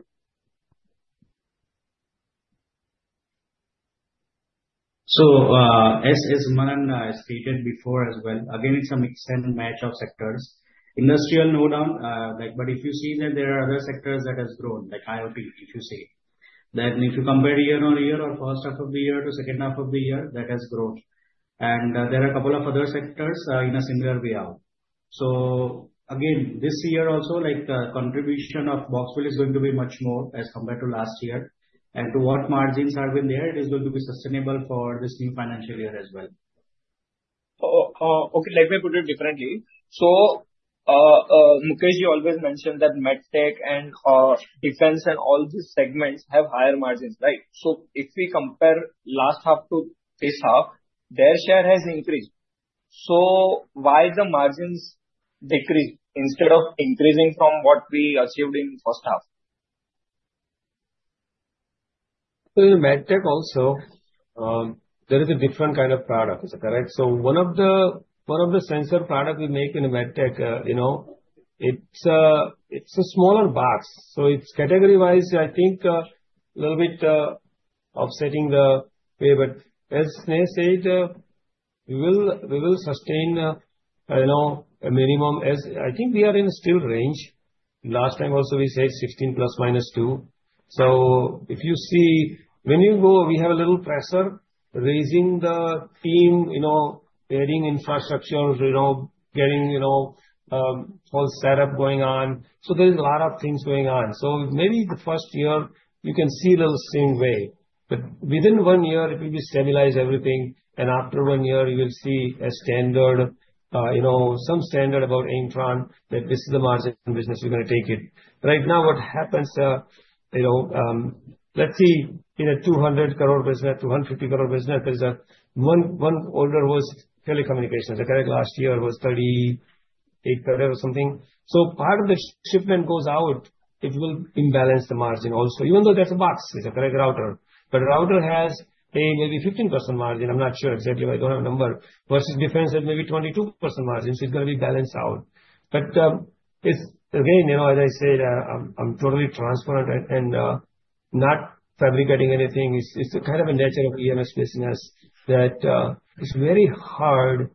As Manan stated before as well, again, it's a mix and match of sectors. Industrial, no doubt, but if you see that there are other sectors that has grown, like IoT, if you see. If you compare year-on-year or first half of the year to second half of the year, that has grown. There are a couple of other sectors in a similar way out. Again, this year also, contribution of box build is going to be much more as compared to last year. To what margins have been there, it is going to be sustainable for this new financial year as well. Okay. Let me put it differently. Mukesh, you always mentioned that MedTech and defense and all these segments have higher margins, right? If we compare last half to this half, their share has increased. Why the margins decrease instead of increasing from what we achieved in first half? In MedTech also, there is a different kind of product. Is that correct? One of the sensor product we make in MedTech, it's a smaller box. It's category-wise, I think a little bit offsetting the way, but as Nes said, we will sustain a minimum as I think we are in still range. Last time also we said 16 plus minus 2. If you see, when you go, we have a little pressure raising the team, getting infrastructures, getting whole setup going on. There is a lot of things going on. Maybe the first year you can see a little same way, but within one year it will be stabilized everything, and after one year, you will see a standard, some standard about Aimtron, that this is the margin business we're going to take it. Right now what happens, let's see in a 200 crore business, 250 crore business, there's a one order was telecommunications. Is that correct? Last year was 38 or something. Part of the shipment goes out, it will imbalance the margin also. Even though that's a box, it's a correct router. A router has a maybe 15% margin, I'm not sure exactly, I don't have a number, versus defense at maybe 22% margin. It's got to be balanced out. It's again, as I said, I'm totally transparent and not fabricating anything. It's kind of a nature of EMS business that it's very hard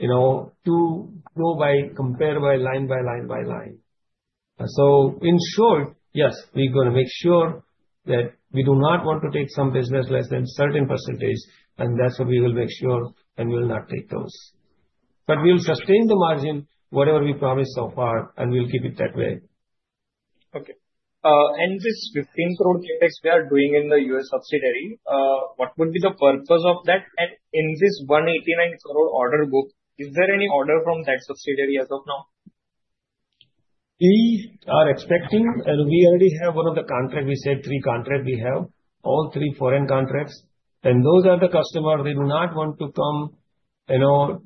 to go by compare by line by line by line. In short, yes, we're going to make sure that we do not want to take some business less than a certain percentage, and that's what we will make sure, and we will not take those. We'll sustain the margin, whatever we promised so far, and we'll keep it that way. Okay. This 15 crore CapEx they are doing in the U.S. subsidiary, what would be the purpose of that? In this 189 crore order book, is there any order from that subsidiary as of now? We are expecting, we already have one of the contracts. We said three contracts we have, all three foreign contracts. Those are the customers who do not want to come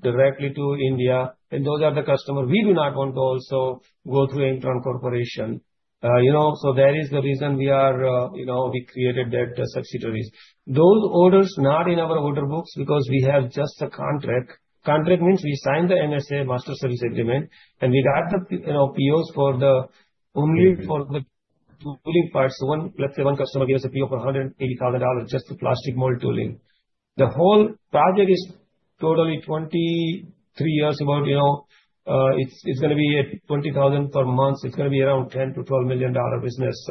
directly to India, and those are the customers we do not want to also go through Aimtron Corporation. That is the reason we created that subsidiaries. Those orders are not in our order books because we have just the contract. Contract means we signed the MSA, Master Service Agreement, and we got the POs only for the tooling parts. Let's say one customer gives a PO for $180,000, just the plastic mold tooling. The whole project is totally 23 years about. It's going to be at 20,000 per month. It's going to be around $10 million-$12 million business.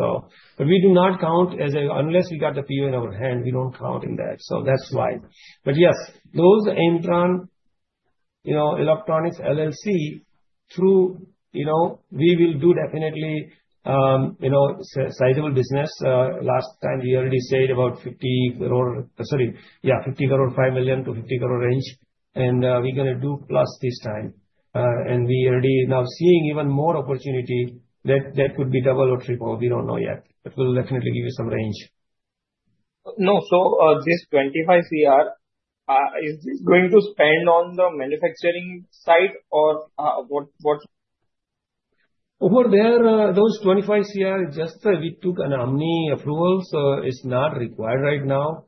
We do not count, unless we got the PO in our hand, we don't count in that. That's why. Yes, those Aimtron Electronics LLC, we will do definitely sizable business. Last time we already said about 50 crore. Sorry. Yeah, 50 crore, $5 million to 50 crore range. We're going to do plus this time. We are already now seeing even more opportunity that could be double or triple. We don't know yet. It will definitely give you some range. No. This 25 crore, is this going to spend on the manufacturing side or what? Over there, those 25 crore, just we took an omni approval, it's not required right now.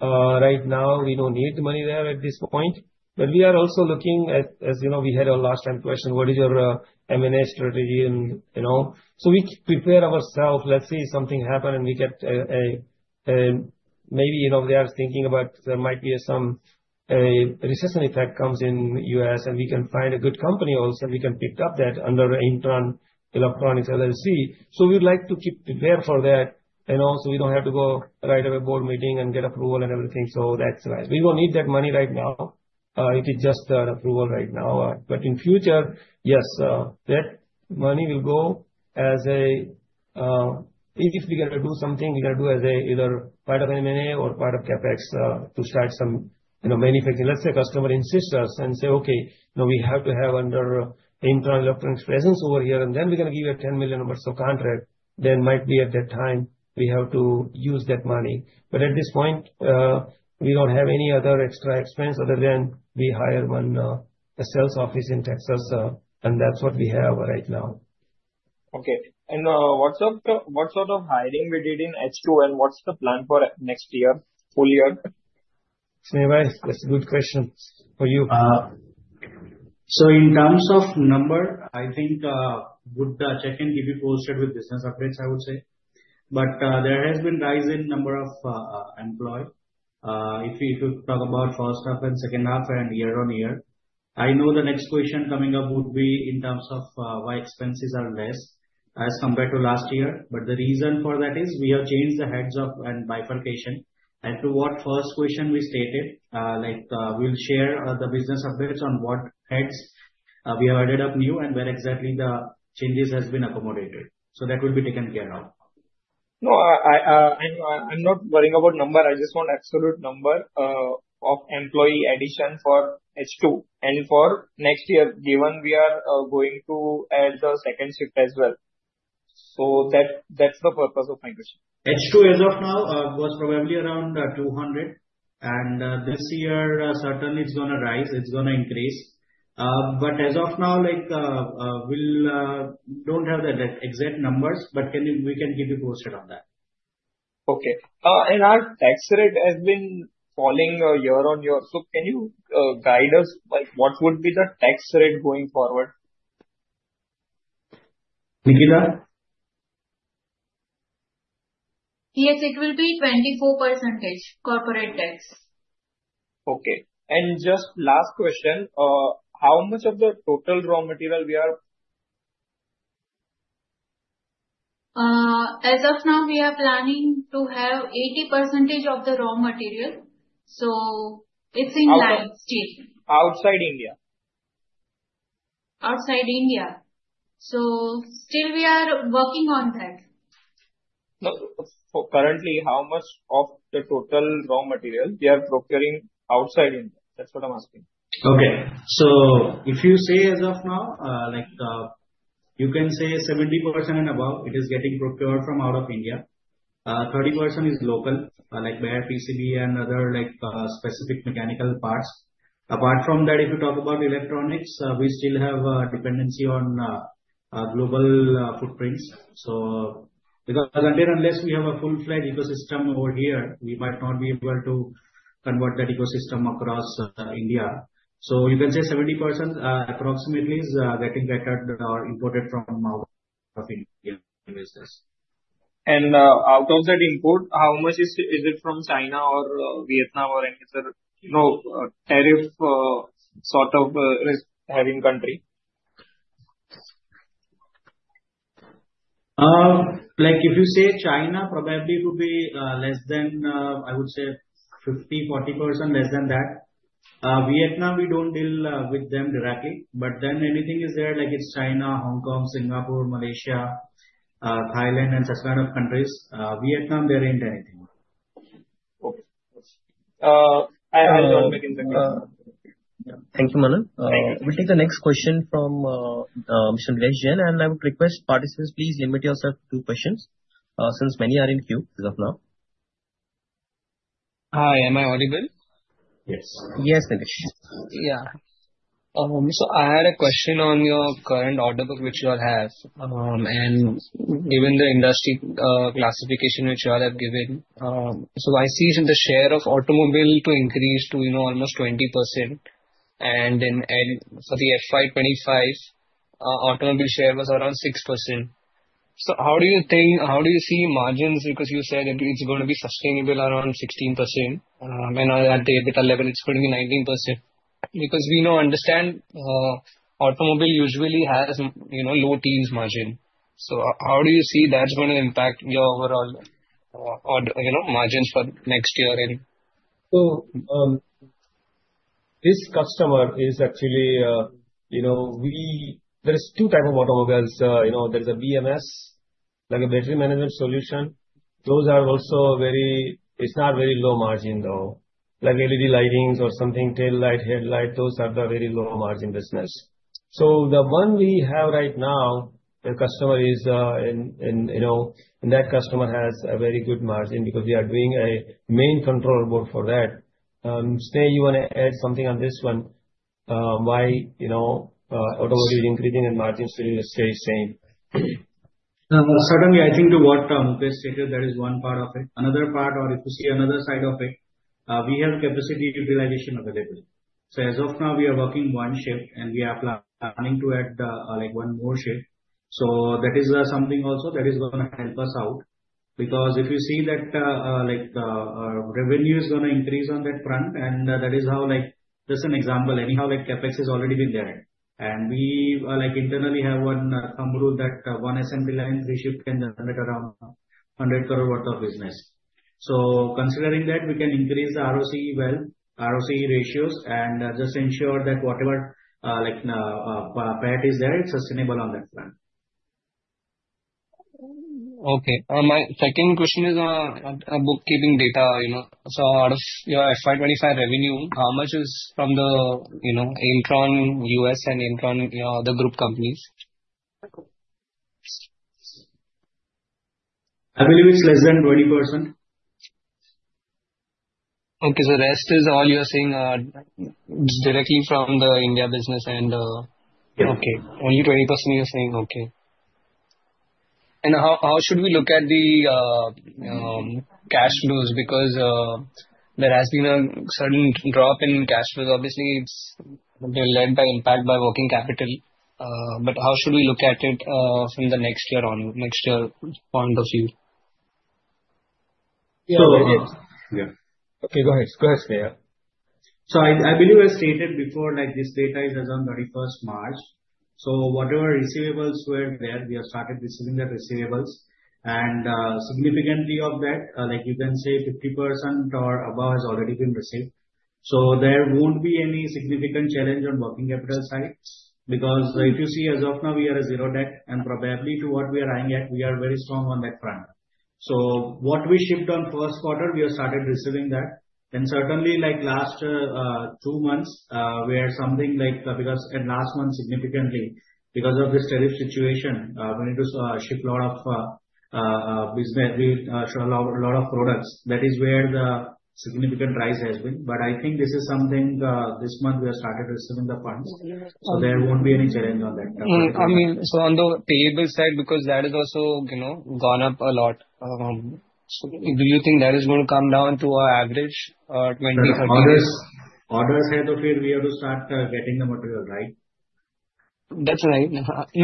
Right now, we don't need the money there at this point. We are also looking at, as you know, we had our last time question, what is your M&A strategy? We prepare ourselves. Let's say something happened and we get maybe they are thinking about there might be some recession effect comes in U.S. and we can find a good company also, we can pick up that under Aimtron Electronics LLC. We'd like to keep prepared for that and also we don't have to go right away board meeting and get approval and everything. That's why. We don't need that money right now. It is just an approval right now. In future, yes, that money will go as a, if we got to do something, we got to do as either part of M&A or part of CapEx to start some manufacturing. Let's say a customer insists us and say, "Okay, we have to have under Aimtron Electronics presence over here, then we're going to give you a $10 million of contract." There might be at that time we have to use that money. At this point, we don't have any other extra expense other than we hire one sales office in Texas. That's what we have right now. Okay. What sort of hiring we did in H2 and what's the plan for next year, full year? Sneha, that's a good question for you. In terms of number, I think Gudka Chekan will be posted with business updates, I would say. There has been rise in number of employee. If you talk about first half and second half and year-on-year. I know the next question coming up would be in terms of why expenses are less as compared to last year. The reason for that is we have changed the heads of and bifurcation as to what first question we stated, like, we'll share the business updates on what heads we have added up new and where exactly the changes has been accommodated. That will be taken care of. No, I'm not worrying about number. I just want absolute number of employee addition for H2 and for next year, given we are going to add the second shift as well. That's the purpose of my question. H2 as of now was probably around 200, and this year certainly it's going to rise, it's going to increase. As of now, we don't have the exact numbers, but we can keep you posted on that. Okay. Our tax rate has been falling year-on-year. Can you guide us, like, what would be the tax rate going forward? Nidya? Yes, it will be 24% corporate tax. Okay. Just last question, how much of the total raw material we are? As of now, we are planning to have 80% of the raw material. It's in line still. Outside India? Outside India. Still we are working on that. Currently, how much of the total raw material we are procuring outside India? That's what I'm asking. If you say as of now, you can say 70% and above, it is getting procured from out of India. 30% is local, like bare PCB and other specific mechanical parts. Apart from that, if you talk about electronics, we still have a dependency on global footprints. Because until unless we have a full-fledged ecosystem over here, we might not be able to convert that ecosystem across India. You can say 70% approximately is getting gathered or imported from out of India. Out of that import, how much is it from China or Vietnam or any other tariff sort of risk-having country? If you say China, probably it would be less than, I would say 40% less than that. Vietnam, we don't deal with them directly. Anything is there, like it's China, Hong Kong, Singapore, Malaysia, Thailand, and such kind of countries. Vietnam, there isn't anything. Okay. Got you. I don't make anything there. Thank you, Manoj. Thank you. We'll take the next question from Mr. Nilesh Jain. I would request participants, please limit yourself to two questions, since many are in queue as of now. Hi, am I audible? Yes. Yes, Nilesh. I had a question on your current order book which you all have, and given the industry classification which you all have given. I see the share of automobile to increase to almost 20%, and for the FY 2025, automobile share was around 6%. How do you see margins? Because you said it's going to be sustainable around 16%, when at that level it's going to be 19%. Because we know, understand, automobile usually has low margins. How do you see that's going to impact your overall margins for next year? There are 2 types of automobiles. There's a BMS, like a battery management solution. It's not very low margin, though. Like LED lightings or something, tail light, headlight, those are the very low margin business. The one we have right now, the customer is in, and that customer has a very good margin because we are doing a main board for that. Shail, you want to add something on this one? Why automobile is increasing and margin still stays same? Certainly, I think to what, from this stage, that is one part of it. Another part, or if you see another side of it, we have capacity utilization available. As of now, we are working 1 shift, and we are planning to add 1 more shift. That is something also that is going to help us out. Because if you see that revenue is going to increase on that front, and that is how, just an example, anyhow, CapEx has already been there. And we internally have 1 thumb rule that 1 assembly line we ship can handle around 100 crore worth of business. Considering that, we can increase the ROCE well, ROCE ratios, and just ensure that whatever PAT is there, it's sustainable on that front. Okay. My second question is on bookkeeping data. Out of your FY 2025 revenue, how much is from the Aimtron U.S. and Aimtron other group companies? I believe it's less than 20%. Okay. The rest is all you are saying directly from the India business. Yeah. Okay. Only 20% you're saying. Okay. How should we look at the cash flows? There has been a certain drop in cash flows. Obviously, it's being led by impact by working capital. How should we look at it from the next year point of view? So- Yeah. Okay, go ahead. Go ahead, Shail. I believe I stated before, this data is as on 31st March. Whatever receivables were there, we have started receiving the receivables. Significantly of that, you can say 50% or above has already been received. There won't be any significant challenge on working capital side, because if you see as of now, we are a zero debt, and probably to what we are eyeing at, we are very strong on that front. What we shipped on first quarter, we have started receiving that. Certainly last two months, we had something, because at last month, significantly, because of this tariff situation, we needed to ship lot of business. We shipped a lot of products. That is where the significant rise has been. I think this is something this month we have started receiving the funds. There won't be any challenge on that. On the payable side, because that has also gone up a lot. Do you think that is going to come down to our average 20, 30? Orders have to clear. We have to start getting the material, right? That's right. No, Okay.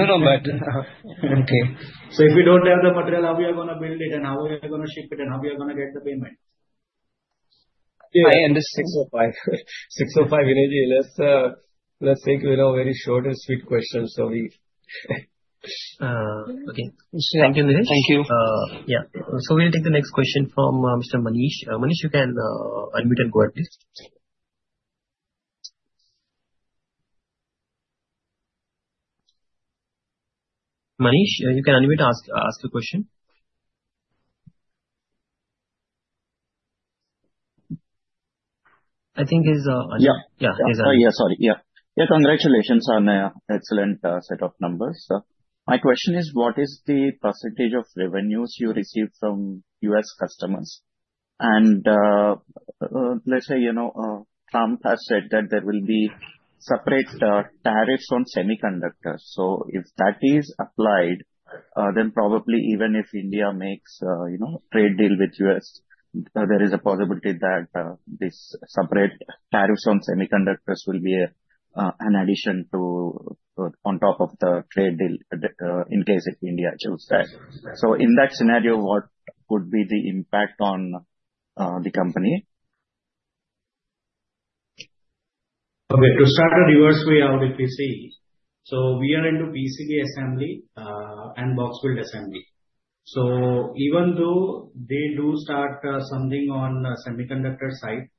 If we don't have the material, how we are going to build it and how we are going to ship it, and how we are going to get the payment? I under- 605. 605, Vineet. Let's take very short and sweet questions so we Okay. Thank you, Nilesh. Thank you. Yeah. We'll take the next question from Mr. Manish. Manish, you can unmute and go ahead, please. Manish, you can unmute, ask your question. Yeah. Yeah, he's on. Yeah. Sorry. Yeah. Congratulations on the excellent set of numbers. My question is, what is the percentage of revenues you receive from U.S. customers? Let's say, Trump has said that there will be separate tariffs on semiconductors. If that is applied, then probably even if India makes a trade deal with U.S., there is a possibility that this separate tariffs on semiconductors will be an addition on top of the trade deal, in case if India chooses that. In that scenario, what could be the impact on the company? Okay. To start a reverse way out, if you see, we are into PCBA assembly and box build assembly. Even though they do start something on the semiconductor side,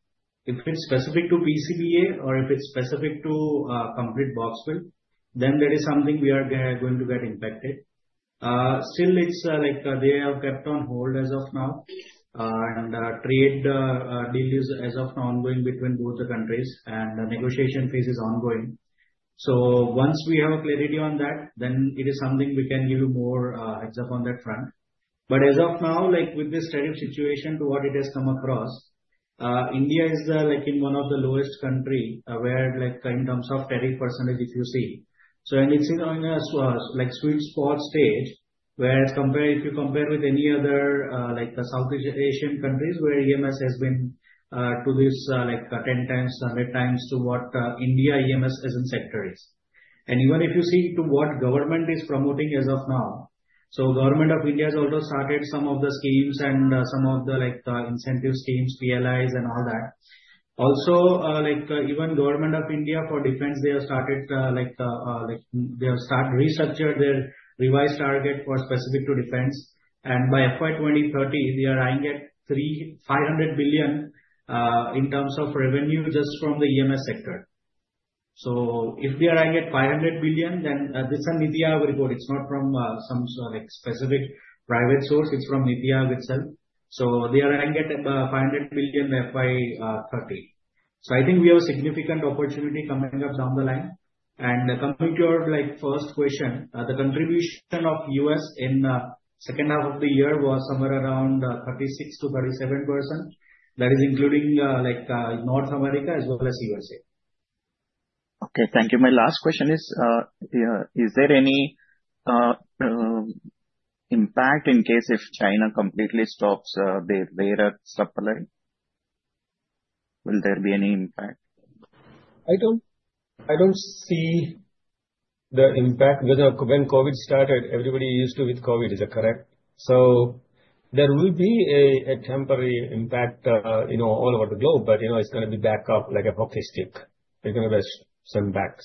if it's specific to PCBA or if it's specific to complete box build, that is something we are going to get impacted. Still, they have kept on hold as of now, trade deals as of now ongoing between both the countries, the negotiation phase is ongoing. Once we have clarity on that, it is something we can give you more heads up on that front. As of now, with this tariff situation, to what it has come across, India is in one of the lowest country in terms of tariff %, if you see. It's going as sweet spot stage where if you compare with any other South Asian countries where EMS has been to this 10 times, 100 times to what India EMS as a sector is. Even if you see to what government is promoting as of now. Government of India has also started some of the schemes and some of the incentive schemes, PLIs and all that. Also, even Government of India for defense, they have restructured their revised target for specific to defense. By FY 2030, they are eyeing at 500 billion in terms of revenue just from the EMS sector. If they are eyeing at 500 billion, this is an NITI Aayog report. It's not from some specific private source, it's from NITI Aayog itself. They are eyeing at 500 billion by 2030. I think we have a significant opportunity coming up down the line. Coming to your first question, the contribution of U.S. in second half of the year was somewhere around 36%-37%. That is including North America as well as USA. Okay. Thank you. My last question is there any impact in case if China completely stops their supply? Will there be any impact? I don't see the impact. When COVID started, everybody used to with COVID, is that correct? There will be a temporary impact all over the globe, but it's going to be back up like a hockey stick. They're going to send back.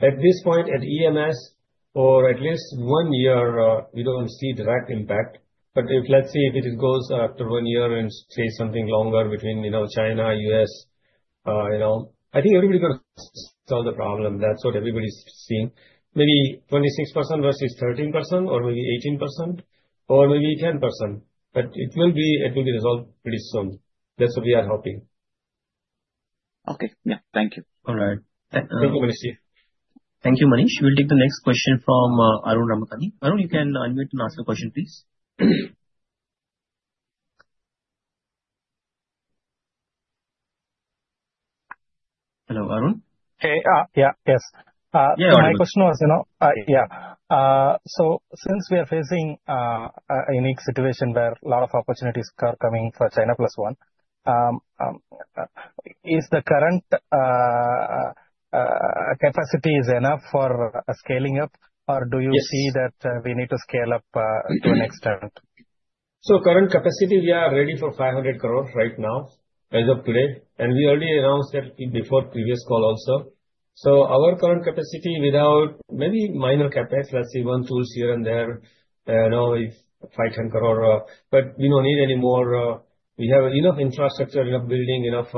At this point, at EMS, for at least one year, we don't see direct impact. Let's see if it goes after one year and say something longer between China, U.S. I think everybody going to solve the problem. That's what everybody's seeing. Maybe 26% versus 13%, or maybe 18%, or maybe 10%. It will be resolved pretty soon. That's what we are hoping. Okay. Yeah. Thank you. All right. Thank you, Manish. Thank you, Manish. We'll take the next question from Arun Ramakani. Arun, you can unmute and ask your question, please. Hello, Arun? Hey. Yeah. Yes. Yeah, Arun. My question was, since we are facing a unique situation where a lot of opportunities are coming for China Plus One, is the current capacity is enough for scaling up? Do you see that we need to scale up to an extent? Current capacity, we are ready for 500 crore right now as of today. We already announced that before previous call also. Our current capacity without maybe minor CapEx, let's say one tools here and there, it's 510 crore. We don't need any more. We have enough infrastructure, enough building, enough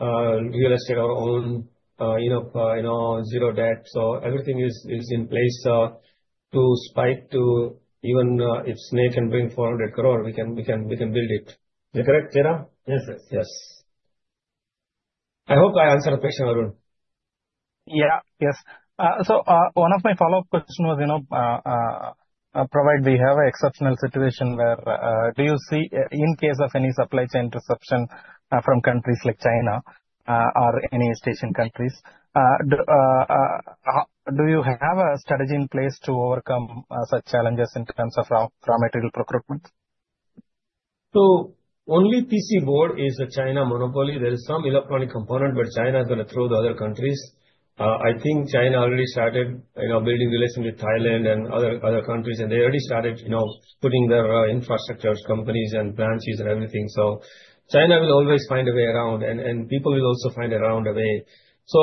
real estate, our own zero debt. Everything is in place to spike to even if Sneh can bring 400 crore, we can build it. Is that correct, Kiran? Yes, yes. Yes. I hope I answered the question, Arun. Yeah. Yes. One of my follow-up question was, provided we have exceptional situation where do you see in case of any supply chain disruption from countries like China or any Asian countries, do you have a strategy in place to overcome such challenges in terms of raw material procurement? Only PC board is a China monopoly. There is some electronic component, but China is going to throw the other countries. I think China already started building relations with Thailand and other countries, and they already started putting their infrastructures, companies and branches and everything. China will always find a way around, and people will also find around a way.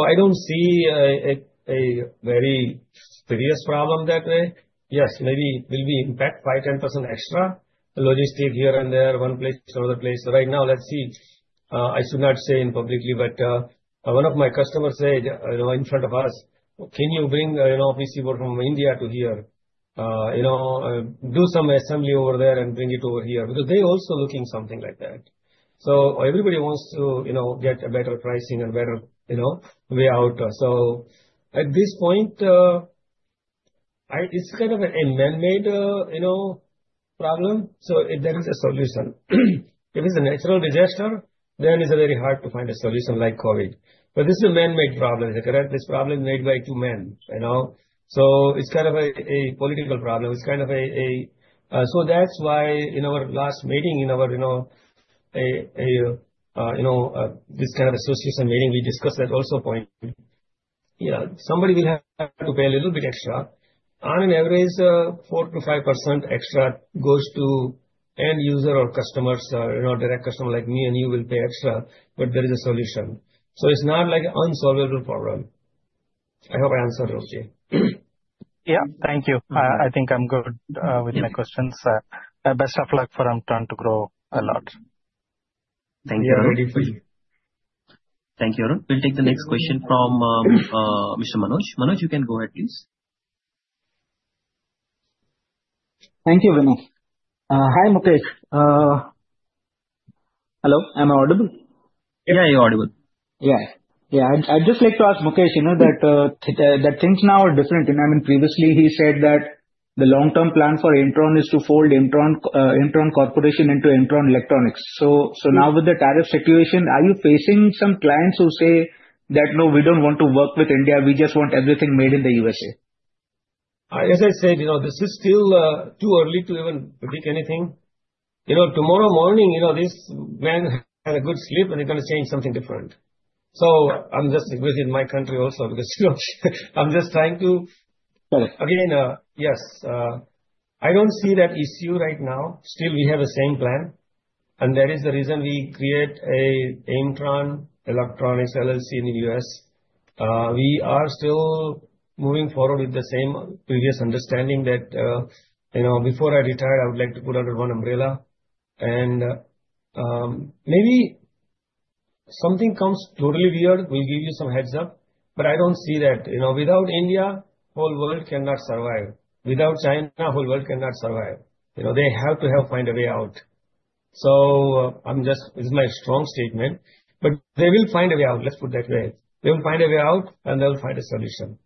I don't see a very serious problem that way. Yes, maybe we'll be impact five, 10% extra logistic here and there, one place to another place. Right now, let's see. I should not say in publicly, but one of my customers said in front of us, "Can you bring PC board from India to here? Do some assembly over there and bring it over here." Because they also looking something like that. Everybody wants to get a better pricing and better way out. At this point, it's kind of a man-made problem. There is a solution. If it's a natural disaster, then it's very hard to find a solution like COVID. This is a man-made problem. Is that correct? This problem made by two men. It's kind of a political problem. That's why in our last meeting, in this kind of association meeting, we discussed that also point Yeah, somebody will have to pay a little bit extra. On an average 4%-5% extra goes to end user or customers. Direct customer like me and you will pay extra, there is a solution. It's not like an unsolvable problem. I hope I answered it, Jai. Yeah. Thank you. I think I'm good with my questions. Best of luck for Aimtron to grow a lot. Thank you. We are ready for you. Thank you, Arun. We'll take the next question from Mr. Manoj. Manoj, you can go ahead, please. Thank you, Vinay. Hi, Mukesh. Hello, am I audible? Yeah, you're audible. Yeah. I'd just like to ask Mukesh, that things now are different. I mean, previously he said that the long-term plan for Aimtron is to fold Aimtron Corporation into Aimtron Electronics. Now with the tariff situation, are you facing some clients who say that, "No, we don't want to work with India. We just want everything made in the USA? As I said, this is still too early to even predict anything. Tomorrow morning, this man had a good sleep and he's going to say something different. I'm just within my country also. Right. Again, yes, I don't see that issue right now. Still we have the same plan, and that is the reason we create a Aimtron Electronics LLC in the U.S. We are still moving forward with the same previous understanding that, before I retire, I would like to put under one umbrella and, maybe something comes totally weird, we'll give you some heads-up, but I don't see that. Without India, whole world cannot survive. Without China, whole world cannot survive. They have to help find a way out. This is my strong statement. They will find a way out. Let's put that way. They will find a way out, and they'll find a solution.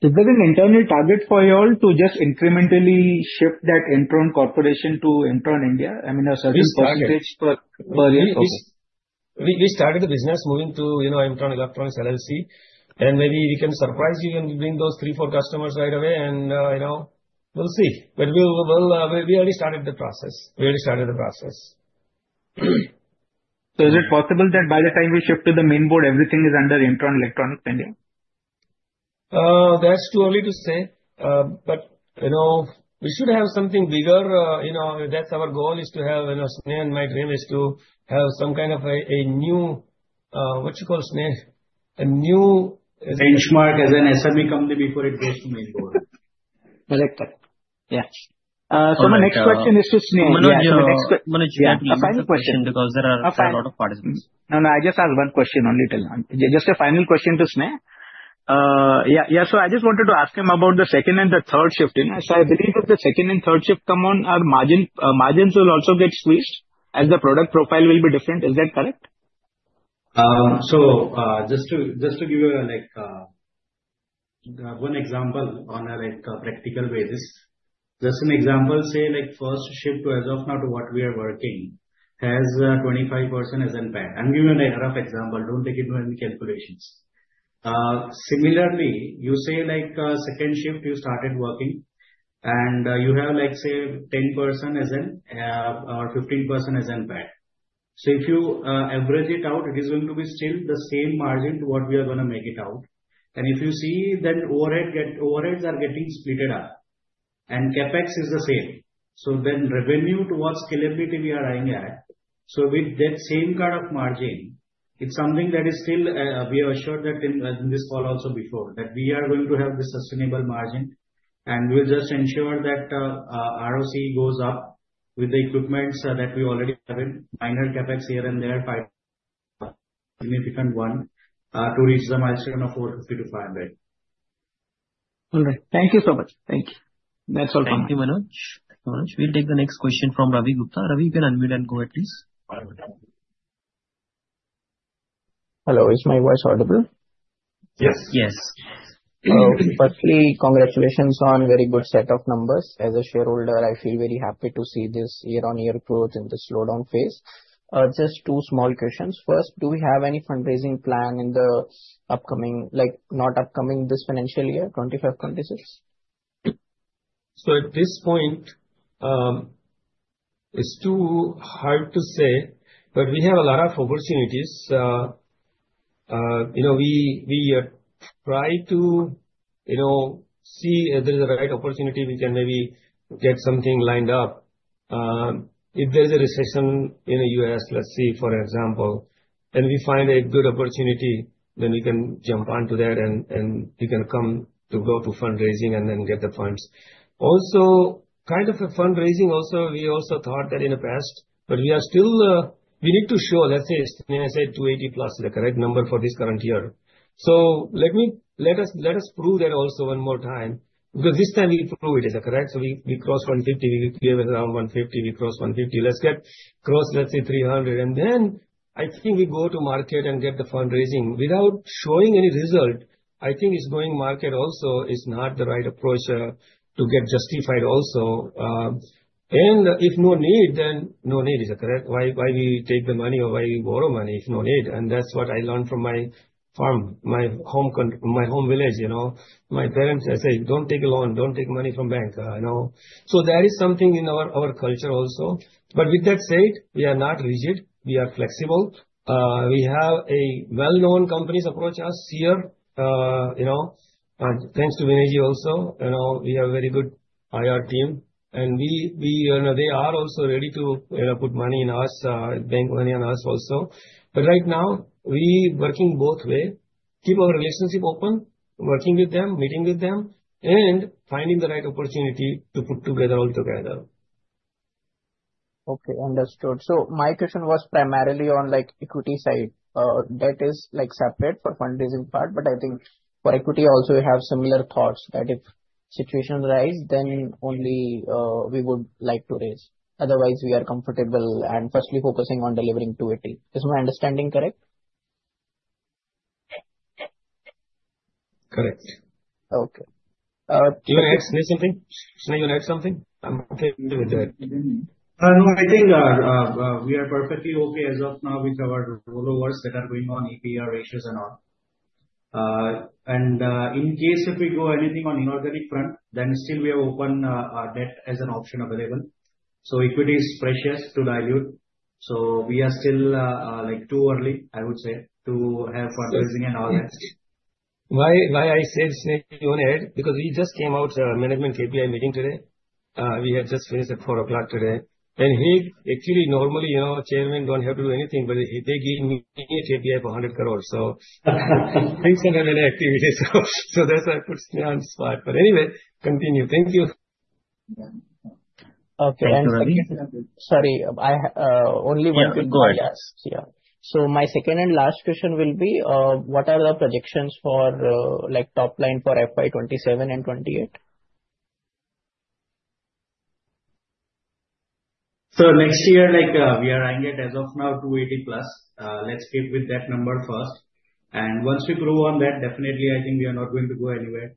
Is there an internal target for you all to just incrementally shift that Aimtron Corporation to Aimtron India? I mean, a certain percentage per year? We started the business moving to Aimtron Electronics LLC, and maybe we can surprise you and bring those three, four customers right away, and we'll see. We already started the process. Is it possible that by the time we shift to the main board, everything is under Aimtron Electronics India? That's too early to say. We should have something bigger. That's our goal, Sneha and my dream is to have some kind of a new, what you call, Sneha? Benchmark as an SME company before it goes to main board. Correct. Yeah. My next question is to Sneha. Manoj, we have to move to the final question because there are a lot of participants. No, I just ask one question only. Just a final question to Sneha. Yeah. I just wanted to ask him about the second and the third shift. I believe if the second and third shift come on, our margins will also get squeezed as the product profile will be different. Is that correct? Just to give you one example on a practical basis. Just an example, say first shift as of now to what we are working has 25% as impact. I'm giving you a rough example. Don't take it to any calculations. Similarly, you say second shift you started working and you have, let's say, 10% or 15% as impact. If you average it out, it is going to be still the same margin to what we are going to make it out. If you see that overheads are getting split up and CapEx is the same, revenue towards scalability we are eyeing at. With that same kind of margin, it's something that is still, we assured that in this call also before, that we are going to have the sustainable margin and we'll just ensure that our ROC goes up with the equipments that we already having. Minor CapEx here and there by significant one, to reach the milestone of 450-500. All right. Thank you so much. Thank you. That's all from me. Thank you, Manoj. We'll take the next question from Ravi Gupta. Ravi, you can unmute and go ahead, please. Hello, is my voice audible? Yes. Yes. Okay. Firstly, congratulations on very good set of numbers. As a shareholder, I feel very happy to see this year-on-year growth in the slowdown phase. Just two small questions. First, do we have any fundraising plan like not upcoming, this financial year, 2025? At this point, it's too hard to say, but we have a lot of opportunities. We try to see if there is a right opportunity, we can maybe get something lined up. If there's a recession in the U.S., let's see, for example, and we find a good opportunity, then we can jump onto that and we can come to go to fundraising and then get the funds. Also kind of a fundraising also, we also thought that in the past, but we need to show, let's say, Sneh said 280+ is the correct number for this current year. Let us prove that also one more time, because this time we need to prove it, correct? We crossed 150, we cleared around 150, we crossed 150. Let's get across, let's say 300, then I think we go to market and get the fundraising. Without showing any result, I think it's going market also is not the right approach to get justified also. If no need, then no need. Is that correct? Why we take the money or why we borrow money if no need? That's what I learned from my farm, my home village. My parents say, "Don't take a loan. Don't take money from bank." That is something in our culture also. With that said, we are not rigid. We are flexible. We have a well-known companies approach us here. Thanks to Vinay also. We have very good IR team. They are also ready to put money in us, bank money on us also. Right now, we working both way. Keep our relationship open, working with them, meeting with them, finding the right opportunity to put together altogether. Okay, understood. My question was primarily on equity side. That is separate for fundraising part, but I think for equity also you have similar thoughts that if situations arise, then only we would like to raise. Otherwise, we are comfortable and firstly focusing on delivering two eight. Is my understanding correct? Correct. Okay. Do you want to add something? Sneha, you want to add something? I'm okay with that. I think we are perfectly okay as of now with our rollovers that are going on APR ratios and all. In case if we go anything on inorganic front, then still we have open debt as an option available. Equity is precious to dilute. We are still too early, I would say, to have fundraising and all that. Why I said, Sneha, go ahead, because we just came out management KPI meeting today. We had just finished at 4:00 o'clock today. He actually, normally, Chairman don't have to do anything, but they gave me a KPI of INR 100 crores. Recent activity. That's why it puts me on spot. Anyway, continue. Thank you. Okay. Sorry, only one could go. Yeah, go ahead. Yeah. My second and last question will be, what are the projections for top line for FY 2027 and 2028? Next year, we are eyeing it as of now 28+. Let's stick with that number first. Once we prove on that, definitely, I think we are not going to go anywhere.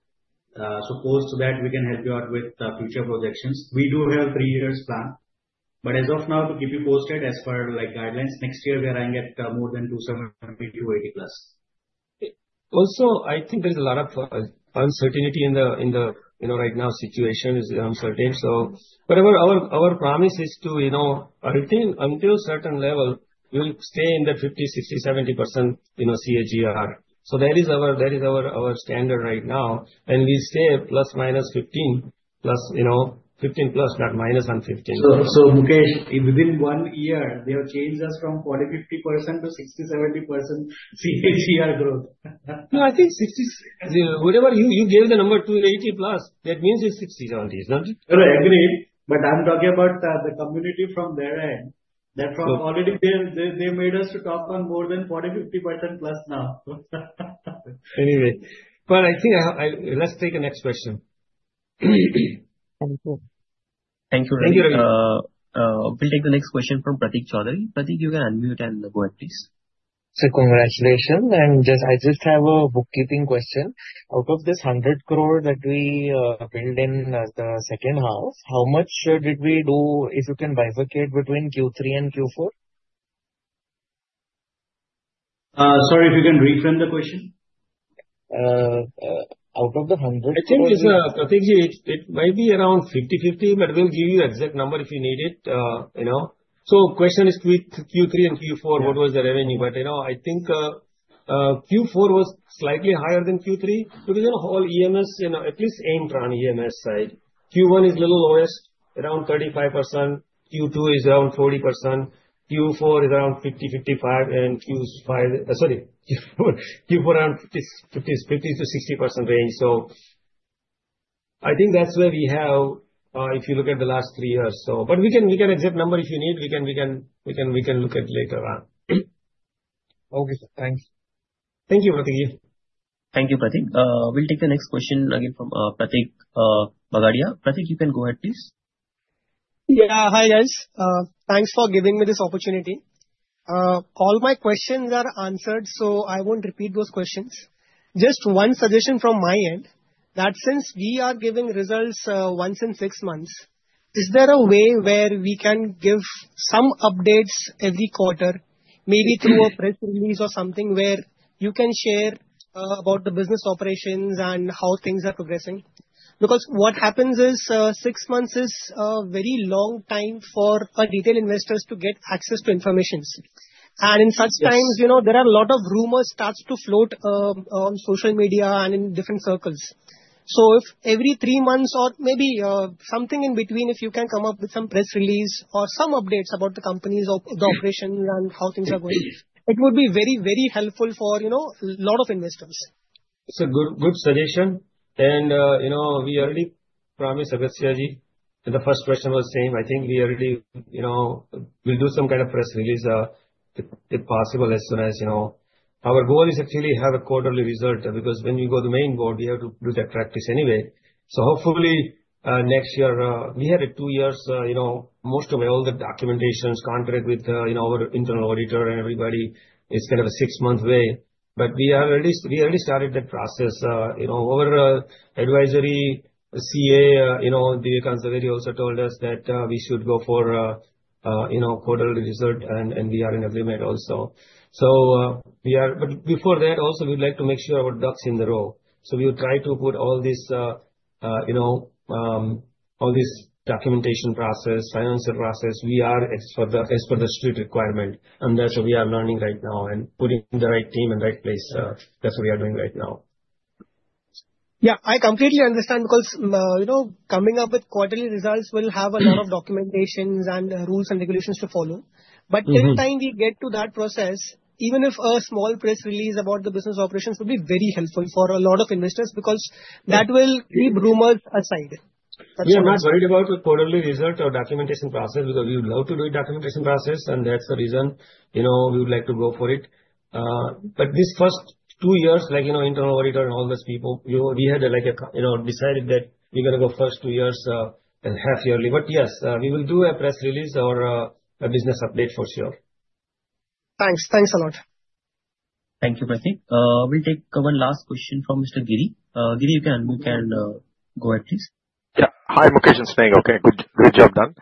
Post that, we can help you out with future projections. We do have three years plan. As of now, to keep you posted as per guidelines, next year we are eyeing at more than 27, 28+. Also, I think there's a lot of uncertainty. Right now situation is uncertain. Whatever our promise is to retain until certain level, we'll stay in the 50%, 60%, 70% CAGR. That is our standard right now. We say ±15. 15 plus, not minus on 15. Mukesh, within one year, they have changed us from 40%-50% to 60%-70% CAGR growth. Whatever, you gave the number 28+. That means it's 60s all these, don't it? Agreed. I'm talking about the community from their end, that from already they made us to talk on more than 40%-50% plus now. Anyway. I think let's take a next question. Thank you. Thank you. We'll take the next question from Pratik Choudhary. Pratik, you can unmute and go ahead, please. Sir, congratulations. I just have a bookkeeping question. Out of this 100 crore that we billed in the second half, how much did we do if you can bifurcate between Q3 and Q4? Sorry, if you can reframe the question. Out of the 100 crores- I think, Pratik, it might be around 50-50, but we'll give you exact number if you need it. Question is Q3 and Q4, what was the revenue? I think Q4 was slightly higher than Q3 because our whole EMS, at least Aimtron EMS side. Q1 is little lowest, around 35%. Q2 is around 40%. Q4 is around 50-55%, and Q4 around fifties, 50-60% range. I think that's where we have, if you look at the last three years. We can exact number if you need, we can look at later on. Okay, sir. Thanks. Thank you, Pratik. Thank you, Pratik. We'll take the next question again from Pratik Bagaria. Pratik, you can go ahead, please. Yeah. Hi, guys. Thanks for giving me this opportunity. All my questions are answered, so I won't repeat those questions. Just one suggestion from my end, that since we are giving results once in six months, is there a way where we can give some updates every quarter, maybe through a press release or something where you can share about the business operations and how things are progressing? Because what happens is, six months is a very long time for retail investors to get access to information. In such times- Yes there are a lot of rumors starts to float on social media and in different circles. If every three months or maybe something in between, if you can come up with some press release or some updates about the company's operations and how things are going, it would be very helpful for lot of investors. It's a good suggestion. We already promised Agasthiagi. The first question was same. I think we already will do some kind of press release if possible as soon as. Our goal is actually have a quarterly result because when you go to main board, we have to do that practice anyway. Hopefully, next year. We have a two years, most of all the documentations contract with our internal auditor and everybody. It's kind of a six-month way. We already started that process. Our advisory CA, Divyakant Zaveri also told us that we should go for quarterly result. We are in agreement also. Before that also, we'd like to make sure our ducks in a row. We would try to put all this documentation process, financial process. We are as per the street requirement. That's what we are learning right now and putting the right team in right place. That's what we are doing right now. I completely understand because coming up with quarterly results will have a lot of documentations and rules and regulations to follow. Till time we get to that process, even if a small press release about the business operations would be very helpful for a lot of investors because that will keep rumors aside. We are not worried about the quarterly result or documentation process because we would love to do a documentation process. That's the reason we would like to go for it. These first two years, internal auditor and all these people, we had decided that we're going to go first two years and half yearly. Yes, we will do a press release or a business update for sure. Thanks. Thanks a lot. Thank you, Pratik. We'll take our last question from Mr. Giri. Giri, you can unmute and go ahead, please. Yeah. Hi, Mukesh and Sneh. Okay, good job done.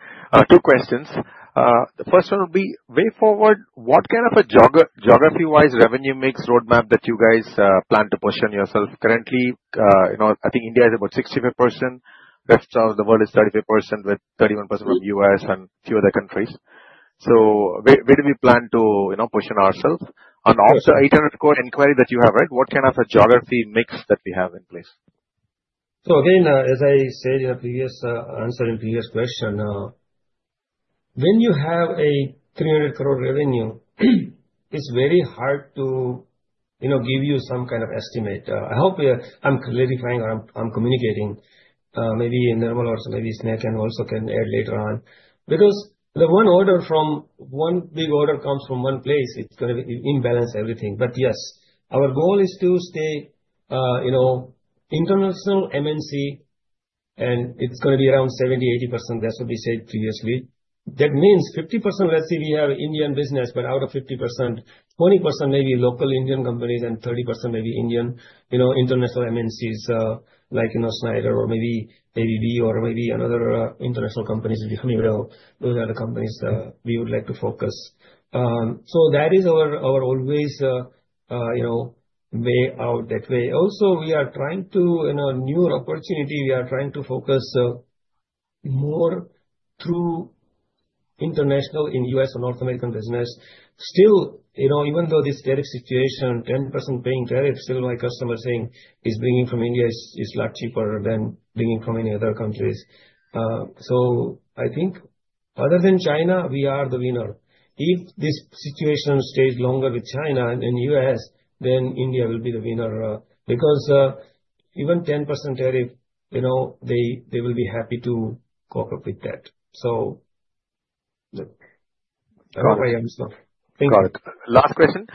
Two questions. The first one will be, way forward, what kind of a geography-wise revenue mix roadmap that you guys plan to position yourself? Currently, I think India is about 65%. Rest of the world is 35% with 31% from U.S. and few other countries. Where do we plan to position ourselves? Also, 800 crore inquiry that you have, right? What kind of a geography mix that we have in place? Again, as I said in the answer in the previous question, when you have a 300 crore revenue it's very hard to give you some kind of estimate. I hope I'm clarifying or I'm communicating. Maybe Nirmal or maybe Sneh can also add later on. The one big order comes from one place, it's going to imbalance everything. Yes, our goal is to stay international MNC, and it's going to be around 70%, 80%. That's what we said previously. That means 50%, let's say we have Indian business, but out of 50%, 20% may be local Indian companies, and 30% may be international MNCs like Schneider or maybe ABB or maybe another international companies will be coming around. Those are the companies we would like to focus. That is our always way out that way. We are trying to focus more through international in U.S. and North American business. Still, even though this tariff situation, 10% paying tariff, still my customer is saying, "It's bringing from India is a lot cheaper than bringing from any other countries." I think other than China, we are the winner. If this situation stays longer with China and U.S., then India will be the winner, because even 10% tariff, they will be happy to cooperate with that. Look. That's where I am. Thank you. Got it. Last question.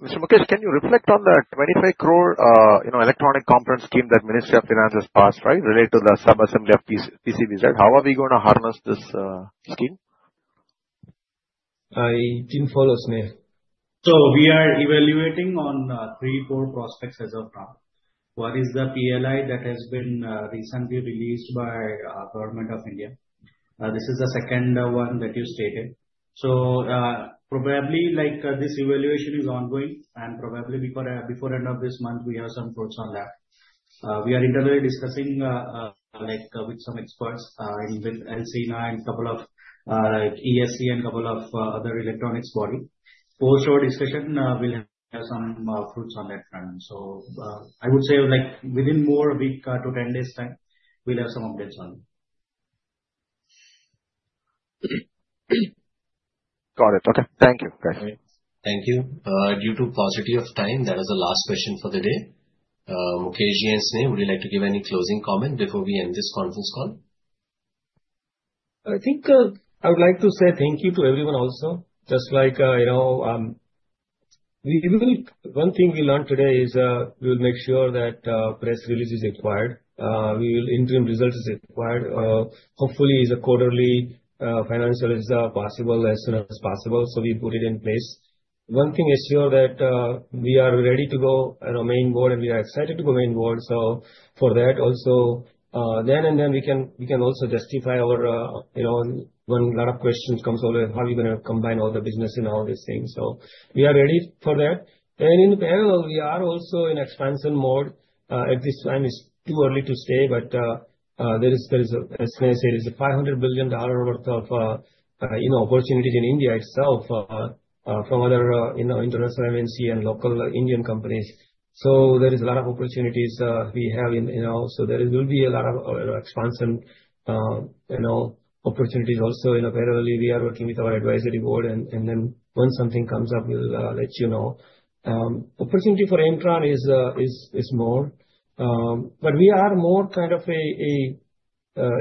Mr. Mukesh, can you reflect on the 25 crore electronic component scheme that Ministry of Finance has passed, right, related to the sub-assembly of PCBs? How are we going to harness this scheme? I didn't follow, Sneh. We are evaluating on three, four prospects as of now. One is the PLI that has been recently released by Government of India. This is the second one that you stated. Probably, this evaluation is ongoing, and probably before end of this month, we have some thoughts on that. We are internally discussing with some experts, even ELCINA and couple of ESSCI and couple of other electronics body. For sure, this session will have some fruits on that front. I would say within more a week to 10 days time, we'll have some updates on it. Got it. Okay. Thank you. Okay. Thank you. Due to paucity of time, that was the last question for the day. Mukesh and Sneh, would you like to give any closing comment before we end this conference call? I think I would like to say thank you to everyone also. Just like one thing we learned today is, we'll make sure that press release is acquired. We will interim results is acquired. Hopefully the quarterly financial is possible as soon as possible, so we put it in place. One thing is sure that we are ready to go main board, and we are excited to go main board. For that also, then and then we can also justify when a lot of questions comes, how are we going to combine all the business and all these things. We are ready for that. In parallel, we are also in expansion mode. At this time it's too early to say, but there is a, as Sneh said, there's a INR 500 billion worth of opportunities in India itself from other international MNC and local Indian companies. There is a lot of opportunities we have, so there will be a lot of expansion opportunities also. In parallel, we are working with our advisory board, and then once something comes up, we'll let you know. Opportunity for Aimtron is more. We are more kind of a,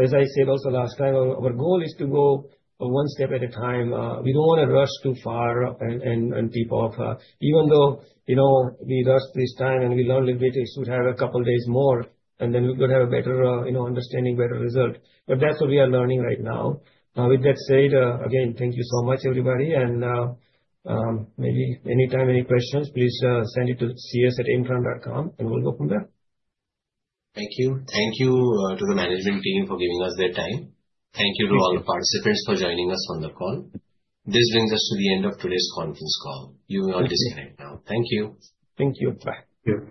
as I said also last time, our goal is to go one step at a time. We don't want to rush too far and tip off. Even though we rushed this time and we learned a little bit, we should have a couple of days more, and then we could have a better understanding, better result. That's what we are learning right now. With that said, again, thank you so much everybody, and maybe anytime, any questions, please send it to cs@aimtron.com, and we'll go from there. Thank you. Thank you to the management team for giving us their time. Thank you to all the participants for joining us on the call. This brings us to the end of today's conference call. You may disconnect now. Thank you. Thank you. Bye.